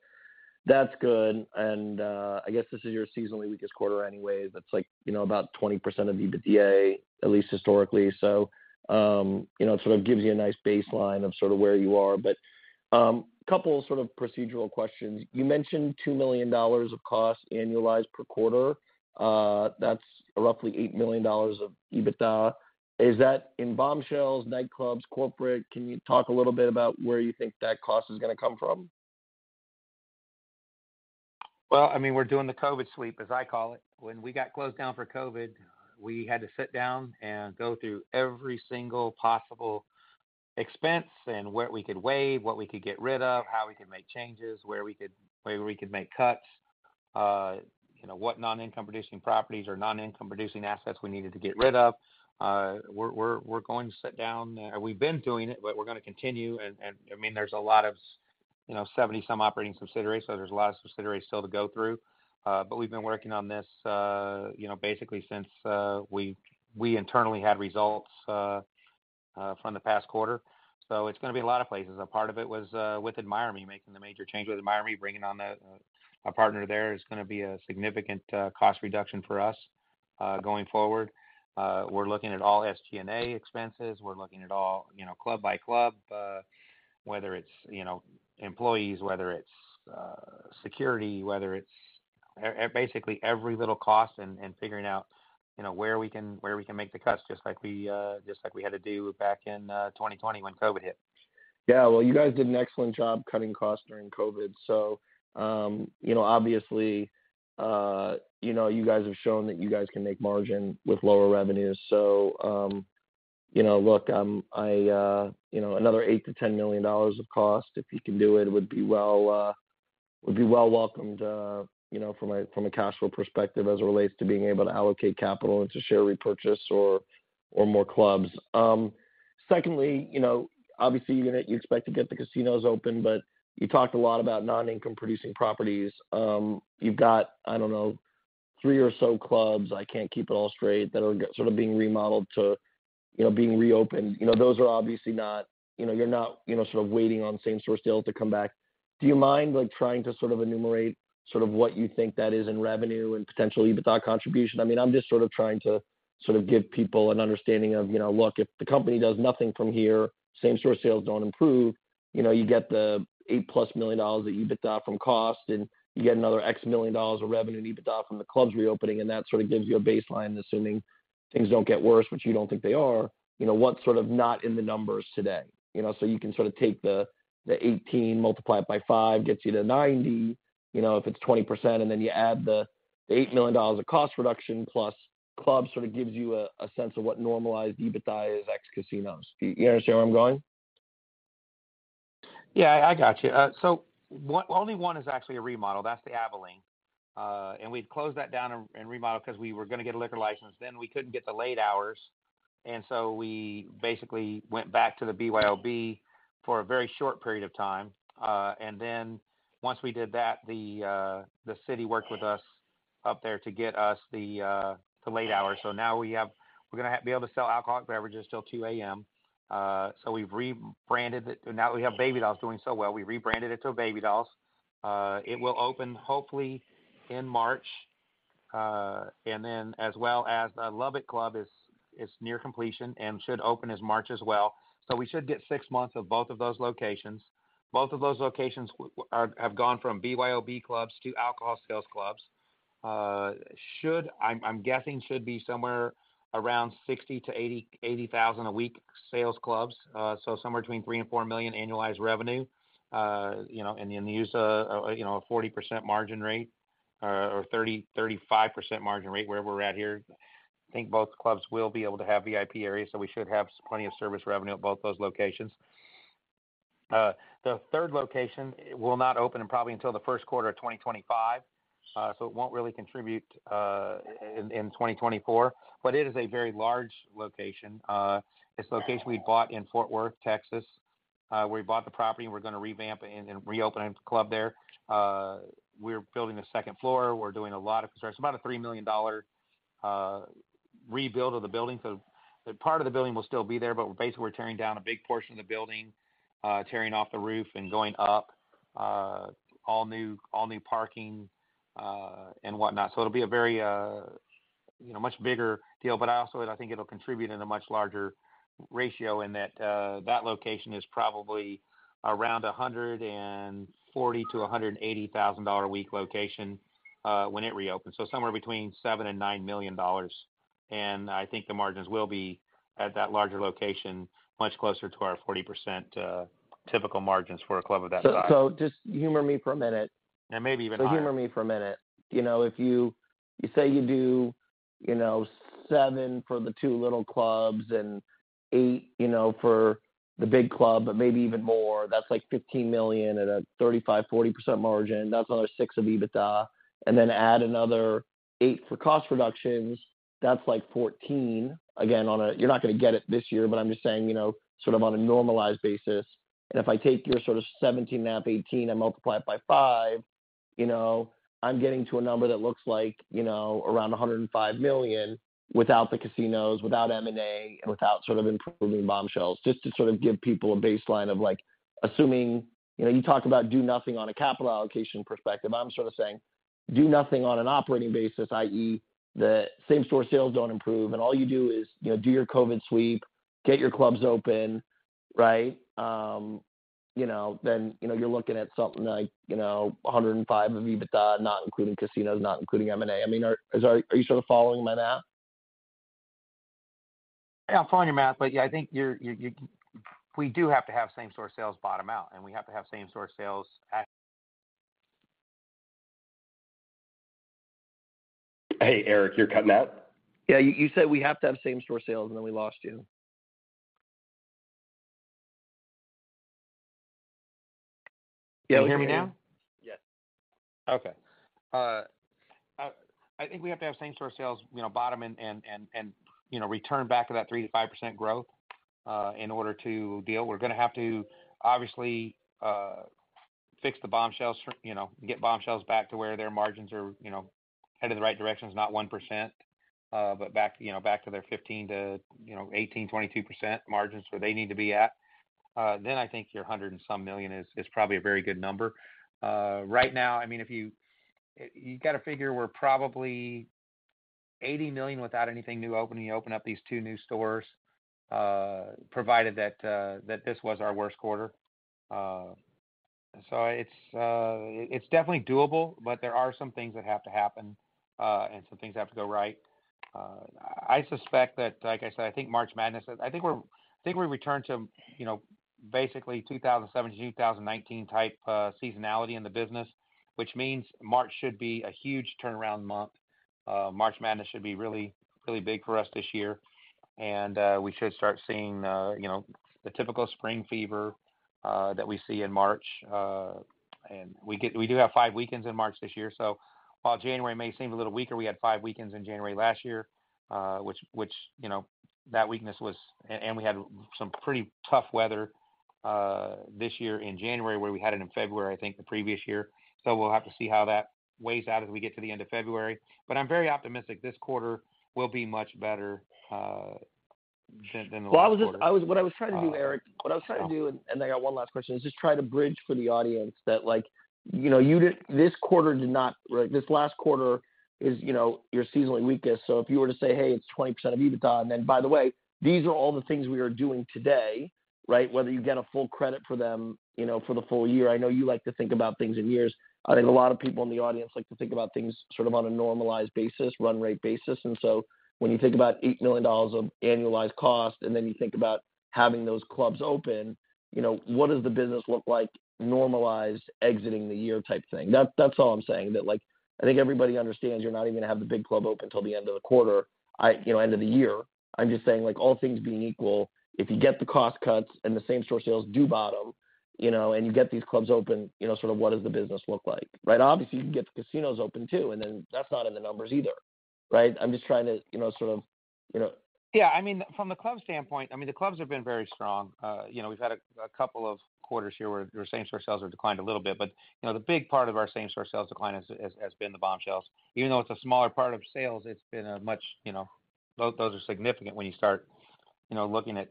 that's good. And, I guess this is your seasonally weakest quarter anyway. That's like, you know, about 20% of EBITDA, at least historically. So, you know, it sort of gives you a nice baseline of sort of where you are. But, a couple sort of procedural questions. You mentioned $2 million of cost annualized per quarter. That's roughly $8 million of EBITDA. Is that in Bombshells, nightclubs, corporate? Can you talk a little bit about where you think that cost is going to come from? Well, I mean, we're doing the COVID sweep, as I call it. When we got closed down for COVID, we had to sit down and go through every single possible expense and what we could waive, what we could get rid of, how we could make changes, where we could make cuts, you know, what non-income producing properties or non-income producing assets we needed to get rid of. We're going to sit down. We've been doing it, but we're going to continue. And I mean, there's a lot of, you know, 70-some operating subsidiaries, so there's a lot of subsidiaries still to go through. But we've been working on this, you know, basically since we internally had results from the past quarter. So it's going to be a lot of places. A part of it was with AdmireMe, making the major change with AdmireMe, bringing on the a partner there is gonna be a significant cost reduction for us going forward. We're looking at all SG&A expenses. We're looking at all, you know, club by club, whether it's, you know, employees, whether it's security, whether it's basically every little cost and, and figuring out, you know, where we can, where we can make the cuts, just like we just like we had to do back in 2020 when COVID hit. Yeah, well, you guys did an excellent job cutting costs during COVID. So, you know, obviously, you know, you guys have shown that you guys can make margin with lower revenues. So, you know, look, I, you know, another $8 million-$10 million of cost, if you can do it, would be well, would be well welcomed, you know, from a, from a cash flow perspective as it relates to being able to allocate capital into share repurchase or, or more clubs. Secondly, you know, obviously, you know, you expect to get the casinos open, but you talked a lot about non-income producing properties. You've got, I don't know, three or so clubs, I can't keep it all straight, that are sort of being remodeled to, you know, being reopened. You know, those are obviously not, you know, you're not, you know, sort of waiting on same-store sales to come back. Do you mind, like, trying to sort of enumerate sort of what you think that is in revenue and potential EBITDA contribution? I mean, I'm just sort of trying to sort of give people an understanding of, you know, look, if the company does nothing from here, same-store sales don't improve.... you know, you get the $8+ million of EBITDA from cost, and you get another X million dollars of revenue and EBITDA from the clubs reopening, and that sort of gives you a baseline, assuming things don't get worse, which you don't think they are. You know, what's sort of not in the numbers today? You know, so you can sort of take the, the 18, multiply it by 5, gets you to 90, you know, if it's 20%, and then you add the $8 million of cost reduction, plus clubs sort of gives you a, a sense of what normalized EBITDA is, ex casinos. Do you understand where I'm going? Yeah, I got you. So only one is actually a remodel, that's the Abilene. And we've closed that down and remodeled because we were gonna get a liquor license. Then we couldn't get the late hours, and so we basically went back to the BYOB for a very short period of time. And then once we did that, the city worked with us up there to get us the late hours. So now we're gonna have, be able to sell alcoholic beverages till 2:00 A.M. So we've rebranded it. Now we have Baby Dolls doing so well, we rebranded it to a Baby Dolls. It will open hopefully in March, and then as well as the Lubbock club is near completion and should open as March as well. So we should get six months of both of those locations. Both of those locations are, have gone from BYOB clubs to alcohol sales clubs. Should be... I'm guessing should be somewhere around 60-80,000 a week sales clubs, so somewhere between $3-$4 million annualized revenue. You know, and then use a, you know, a 40% margin rate or 30-35% margin rate, wherever we're at here. I think both clubs will be able to have VIP areas, so we should have plenty of service revenue at both those locations. The third location will not open probably until the first quarter of 2025, so it won't really contribute in 2024. But it is a very large location. It's a location we bought in Fort Worth, Texas. We bought the property, and we're gonna revamp it and, and reopen a club there. We're building a second floor. We're doing a lot of construction. It's about a $3 million rebuild of the building. So part of the building will still be there, but basically, we're tearing down a big portion of the building, tearing off the roof and going up, all new, all new parking, and whatnot. So it'll be a very, you know, much bigger deal, but I also, I think it'll contribute in a much larger ratio in that, that location is probably around $140,000-$180,000 a week location, when it reopens. So somewhere between $7 million and $9 million, and I think the margins will be, at that larger location, much closer to our 40% typical margins for a club of that size. So, so just humor me for a minute. Maybe even higher. Humor me for a minute. You know, if you, you say you do, you know, $7 million for the two little clubs and $8 million, you know, for the big club, but maybe even more, that's like $15 million at a 35%-40% margin. That's another $6 million of EBITDA, and then add another $8 million for cost reductions. That's like $14 million. Again, on a. You're not gonna get it this year, but I'm just saying, you know, sort of on a normalized basis. And if I take your sort of $17.5-$18 million, and multiply it by 5, you know, I'm getting to a number that looks like, you know, around $105 million without the casinos, without M&A, and without sort of improving Bombshells, just to sort of give people a baseline of, like, assuming... You know, you talk about do nothing on a capital allocation perspective. I'm sort of saying, do nothing on an operating basis, i.e., the same-store sales don't improve, and all you do is, you know, do your COVID sweep, get your clubs open, right? You know, then, you know, you're looking at something like, you know, $105 of EBITDA, not including casinos, not including M&A. I mean, are you sort of following my math? Yeah, I'm following your math, but yeah, I think you're... We do have to have same-store sales bottom out, and we have to have same-store sales at- Hey, Eric, you're cutting out. Yeah, you, you said we have to have same-store sales, and then we lost you. Can you hear me now? Yes. Okay. I think we have to have same-store sales, you know, bottom and return back to that 3%-5% growth in order to deal. We're gonna have to obviously fix the Bombshells, you know, get Bombshells back to where their margins are, you know, headed in the right direction, it's not 1%, but back, you know, back to their 15% to 18-22% margins where they need to be at. Then I think your $100+ million is probably a very good number. Right now, I mean, if you got to figure we're probably $80 million without anything new open, and you open up these 2 new stores, provided that this was our worst quarter. So it's definitely doable, but there are some things that have to happen, and some things have to go right. I suspect that, like I said, I think March Madness, I think we're- I think we return to, you know, basically 2017, 2019 type seasonality in the business, which means March should be a huge turnaround month. March Madness should be really, really big for us this year, and we should start seeing, you know, the typical spring fever that we see in March. And we do have five weekends in March this year, so while January may seem a little weaker, we had five weekends in January last year, which, you know, that weakness was... We had some pretty tough weather this year in January, where we had it in February, I think, the previous year. So we'll have to see how that weighs out as we get to the end of February. But I'm very optimistic this quarter will be much better. ...Well, what I was trying to do, Eric, and I got one last question, is just try to bridge for the audience that, like, you know, you did, this quarter did not, right, this last quarter is, you know, your seasonally weakest. So if you were to say, "Hey, it's 20% of EBITDA," and then by the way, these are all the things we are doing today, right? Whether you get a full credit for them, you know, for the full year, I know you like to think about things in years. I think a lot of people in the audience like to think about things sort of on a normalized basis, run rate basis. When you think about $8 million of annualized cost, and then you think about having those clubs open, you know, what does the business look like, normalized, exiting the year type thing? That's, that's all I'm saying, that, like, I think everybody understands you're not even going to have the big club open till the end of the quarter, I... You know, end of the year. I'm just saying, like, all things being equal, if you get the cost cuts and the same store sales do bottom, you know, and you get these clubs open, you know, sort of what does the business look like? Right. Obviously, you can get the casinos open, too, and then that's not in the numbers either, right? I'm just trying to, you know, sort of, you know- Yeah, I mean, from the club standpoint, I mean, the clubs have been very strong. You know, we've had a couple of quarters here where same-store sales have declined a little bit, but, you know, the big part of our same-store sales decline is has been the Bombshells. Even though it's a smaller part of sales, it's been a much, you know... Those are significant when you start, you know, looking at,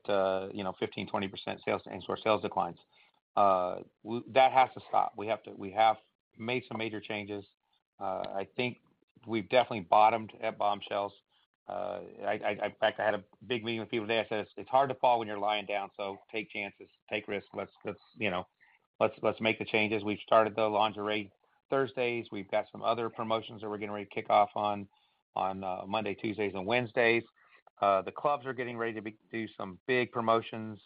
you know, 15%-20% same-store sales declines. That has to stop. We have to. We have made some major changes. I think we've definitely bottomed at Bombshells. I, in fact, had a big meeting with people today. I said, "It's hard to fall when you're lying down, so take chances, take risks. Let's, you know, make the changes." We've started the Lingerie Thursdays. We've got some other promotions that we're getting ready to kick off on Monday, Tuesdays and Wednesdays. The clubs are getting ready to do some big promotions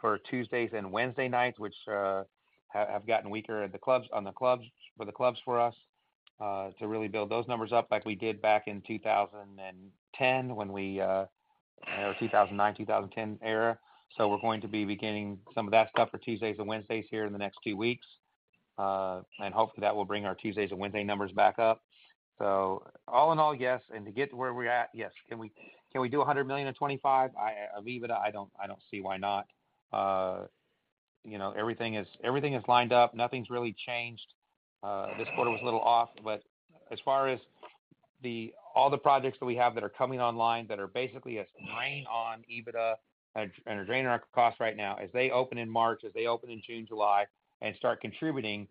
for Tuesdays and Wednesday nights, which have gotten weaker at the clubs for us to really build those numbers up like we did back in 2010, when we, you know, 2009-2010 era. So we're going to be beginning some of that stuff for Tuesdays and Wednesdays here in the next 2 weeks. And hopefully, that will bring our Tuesdays and Wednesday numbers back up. So all in all, yes, and to get to where we're at, yes. Can we, can we do $100 million in 2025? I, EBITDA, I don't see why not. You know, everything is, everything is lined up. Nothing's really changed. This quarter was a little off, but as far as the... all the projects that we have that are coming online, that are basically a drain on EBITDA and a drain on our costs right now, as they open in March, as they open in June, July, and start contributing,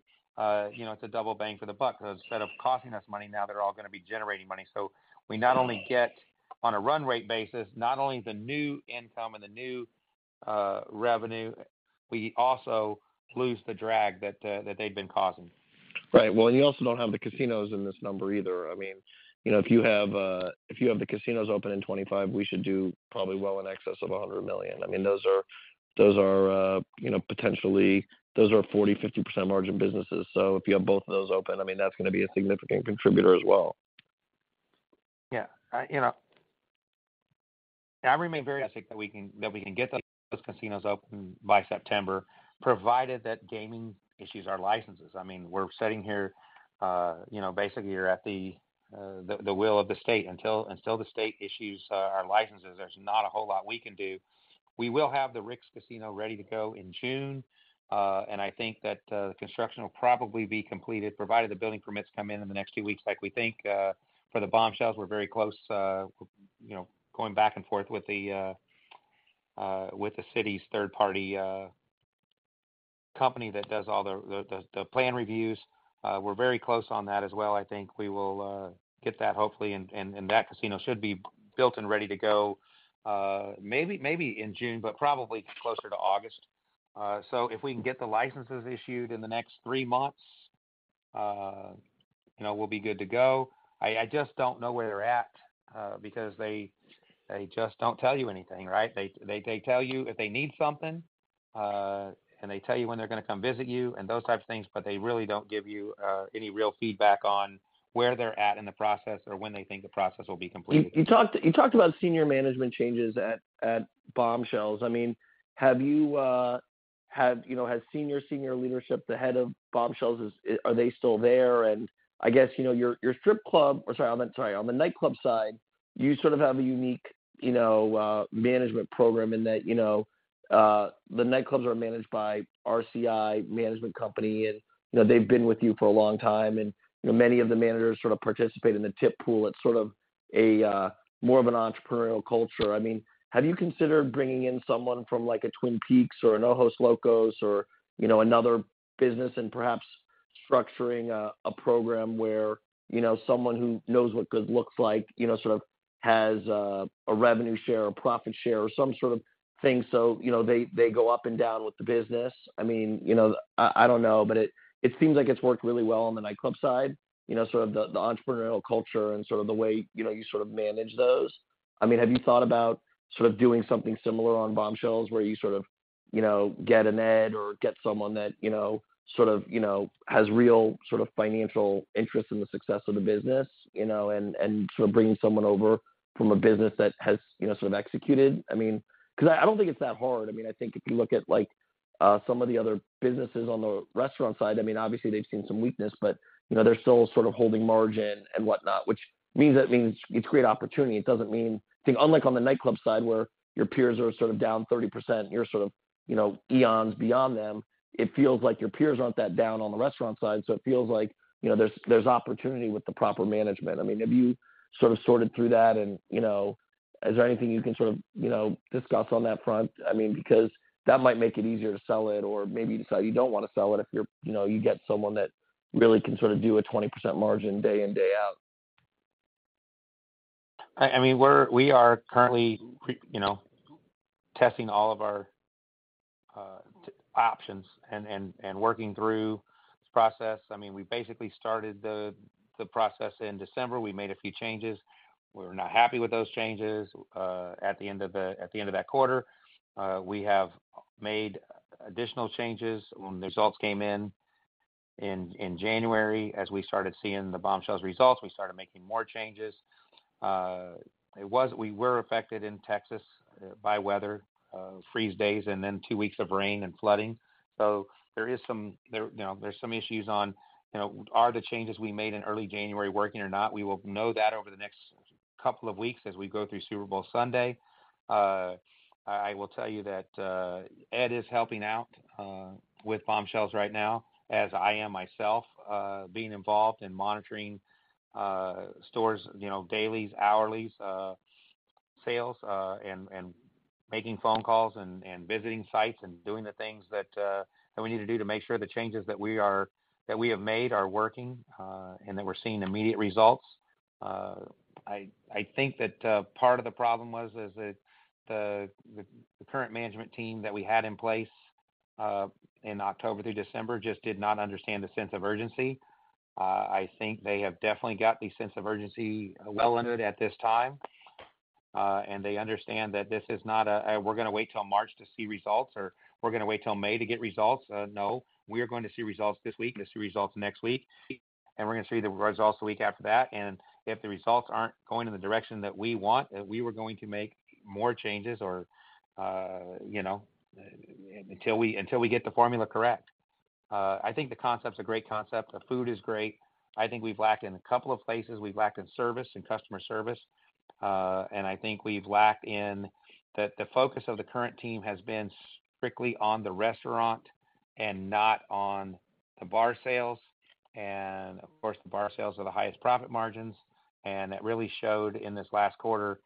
you know, it's a double bang for the buck. Instead of costing us money, now they're all going to be generating money. So we not only get, on a run rate basis, not only the new income and the new revenue, we also lose the drag that they've been causing. Right. Well, and you also don't have the casinos in this number either. I mean, you know, if you have, if you have the casinos open in 2025, we should do probably well in excess of $100 million. I mean, those are, those are, you know, potentially, those are 40%-50% margin businesses. So if you have both of those open, I mean, that's going to be a significant contributor as well. Yeah. I, you know, I remain very optimistic that we can, that we can get those, those casinos open by September, provided that Gaming issues our licenses. I mean, we're sitting here, you know, basically here at the, the, the will of the state. Until, until the state issues, our licenses, there's not a whole lot we can do. We will have the Rick's Casino ready to go in June, and I think that, the construction will probably be completed, provided the building permits come in in the next 2 weeks like we think. For the Bombshells, we're very close, you know, going back and forth with the, with the city's third-party, company that does all the, the, the, the plan reviews. We're very close on that as well. I think we will get that hopefully, and that casino should be built and ready to go, maybe in June, but probably closer to August. So if we can get the licenses issued in the next three months, you know, we'll be good to go. I just don't know where they're at, because they just don't tell you anything, right? They tell you if they need something, and they tell you when they're going to come visit you and those types of things, but they really don't give you any real feedback on where they're at in the process or when they think the process will be completed. You talked about senior management changes at Bombshells. I mean, have you, you know, has senior leadership, the head of Bombshells, are they still there? And I guess, you know, your strip club, or sorry, I meant, sorry, on the nightclub side, you sort of have a unique, you know, management program in that, you know, the nightclubs are managed by RCI Management company, and, you know, they've been with you for a long time, and, you know, many of the managers sort of participate in the tip pool. It's sort of a more of an entrepreneurial culture. I mean, have you considered bringing in someone from, like, a Twin Peaks or an Ojos Locos or, you know, another business and perhaps structuring a program where, you know, someone who knows what good looks like, you know, sort of has a revenue share or profit share or some sort of thing so, you know, they, they go up and down with the business? I mean, you know, I don't know, but it seems like it's worked really well on the nightclub side, you know, sort of the entrepreneurial culture and sort of the way, you know, you sort of manage those. I mean, have you thought about sort of doing something similar on Bombshells, where you sort of, you know, get an Ed or get someone that, you know, sort of, you know, has real sort of financial interest in the success of the business, you know, and, and sort of bringing someone over from a business that has, you know, sort of executed? I mean, because I don't think it's that hard. I mean, I think if you look at, like, some of the other businesses on the restaurant side, I mean, obviously they've seen some weakness, but, you know, they're still sort of holding margin and whatnot, which means that means it's great opportunity. It doesn't mean... I think unlike on the nightclub side, where your peers are sort of down 30%, you're sort of, you know, eons beyond them. It feels like your peers aren't that down on the restaurant side, so it feels like, you know, there's, there's opportunity with the proper management. I mean, have you sort of sorted through that and, you know-... Is there anything you can sort of, you know, discuss on that front? I mean, because that might make it easier to sell it, or maybe decide you don't want to sell it if you're, you know, you get someone that really can sort of do a 20% margin day in, day out. I mean, we are currently, you know, testing all of our options and working through this process. I mean, we basically started the process in December. We made a few changes. We were not happy with those changes at the end of that quarter. We have made additional changes. When the results came in January, as we started seeing the Bombshells results, we started making more changes. It was. We were affected in Texas by weather, freeze days, and then two weeks of rain and flooding. So there is some, you know, there's some issues, you know, are the changes we made in early January working or not? We will know that over the next couple of weeks as we go through Super Bowl Sunday. I will tell you that Ed is helping out with Bombshells right now, as I am myself being involved in monitoring stores, you know, dailies, hourlies, sales, and making phone calls and visiting sites and doing the things that we need to do to make sure the changes that we have made are working, and that we're seeing immediate results. I think that part of the problem was is that the current management team that we had in place in October through December just did not understand the sense of urgency. I think they have definitely got the sense of urgency well under it at this time, and they understand that this is not a we're gonna wait till March to see results, or we're gonna wait till May to get results. No, we are going to see results this week, and see results next week, and we're gonna see the results the week after that. And if the results aren't going in the direction that we want, that we were going to make more changes or, you know, until we get the formula correct. I think the concept's a great concept. The food is great. I think we've lacked in a couple of places. We've lacked in service and customer service, and I think we've lacked in... That the focus of the current team has been strictly on the restaurant and not on the bar sales. And of course, the bar sales are the highest profit margins, and that really showed in this last quarter,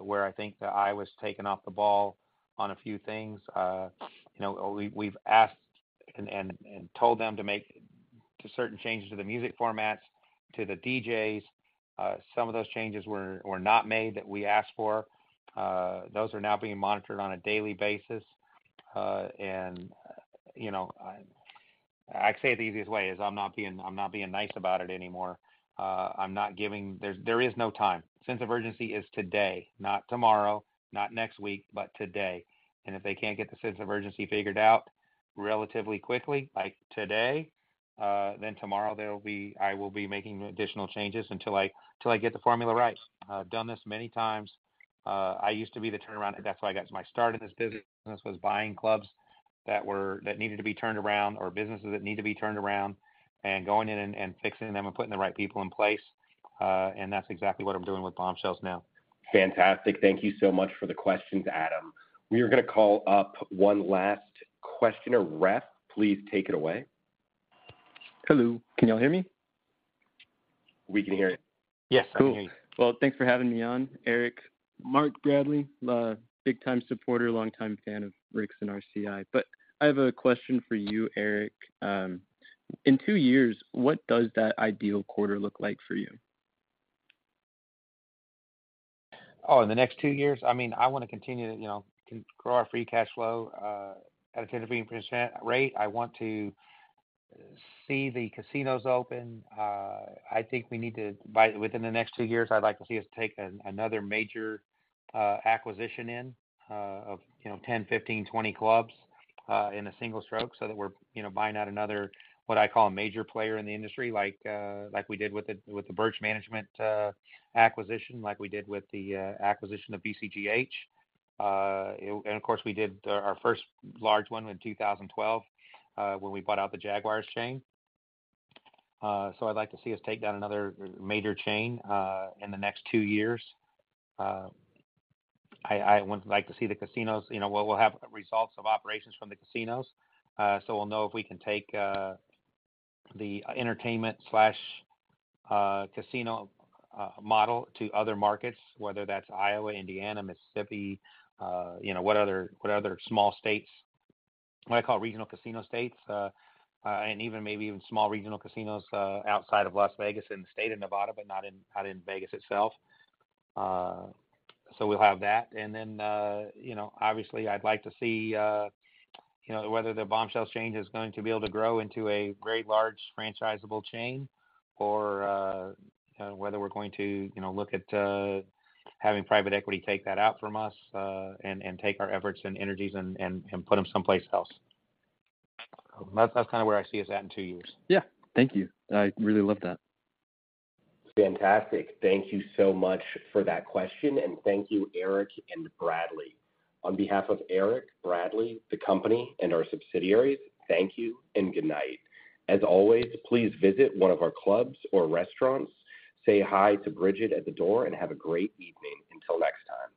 where I think the eye was taken off the ball on a few things. You know, we've asked and told them to make certain changes to the music formats, to the DJs. Some of those changes were not made that we asked for. Those are now being monitored on a daily basis. And, you know, I'd say the easiest way is I'm not being nice about it anymore. I'm not giving... There is no time. Sense of urgency is today, not tomorrow, not next week, but today. If they can't get the sense of urgency figured out relatively quickly, like today, then tomorrow there will be. I will be making additional changes until I, till I get the formula right. I've done this many times. I used to be the turnaround, and that's how I got my start in this business, was buying clubs that were that needed to be turned around or businesses that need to be turned around, and going in and, and fixing them and putting the right people in place. And that's exactly what I'm doing with Bombshells now. Fantastic. Thank you so much for the questions, Adam. We are gonna call up one last questioner. Raf, please take it away. Hello, can you all hear me? We can hear you. Yes, I can hear you. Cool. Well, thanks for having me on, Eric. Mark Bradley, big-time supporter, longtime fan of Rick's and RCI. But I have a question for you, Eric. In two years, what does that ideal quarter look like for you? Oh, in the next two years? I mean, I wanna continue to, you know, grow our free cash flow at a 10%-15% rate. I want to see the casinos open. I think we need to, within the next two years, I'd like to see us take another major acquisition of, you know, 10, 15, 20 clubs in a single stroke, so that we're, you know, buying out another, what I call, a major player in the industry like, like we did with the Birch Management acquisition, like we did with the acquisition of VCGH. And of course, we did our first large one in 2012 when we bought out the Jaguars chain. So I'd like to see us take down another major chain in the next two years. I would like to see the casinos, you know. Well, we'll have results of operations from the casinos, so we'll know if we can take the entertainment/casino model to other markets, whether that's Iowa, Indiana, Mississippi, you know, what other small states, what I call regional casino states, and even maybe small regional casinos outside of Las Vegas, in the state of Nevada, but not in Vegas itself. So we'll have that. Then, you know, obviously, I'd like to see, you know, whether the Bombshells chain is going to be able to grow into a great large franchisable chain or whether we're going to, you know, look at having private equity take that out from us and take our efforts and energies and put them someplace else. So that's kind of where I see us at in two years. Yeah. Thank you. I really love that. Fantastic. Thank you so much for that question, and thank you, Eric and Bradley. On behalf of Eric, Bradley, the company, and our subsidiaries, thank you and good night. As always, please visit one of our clubs or restaurants. Say hi to Bridget at the door, and have a great evening. Until next time.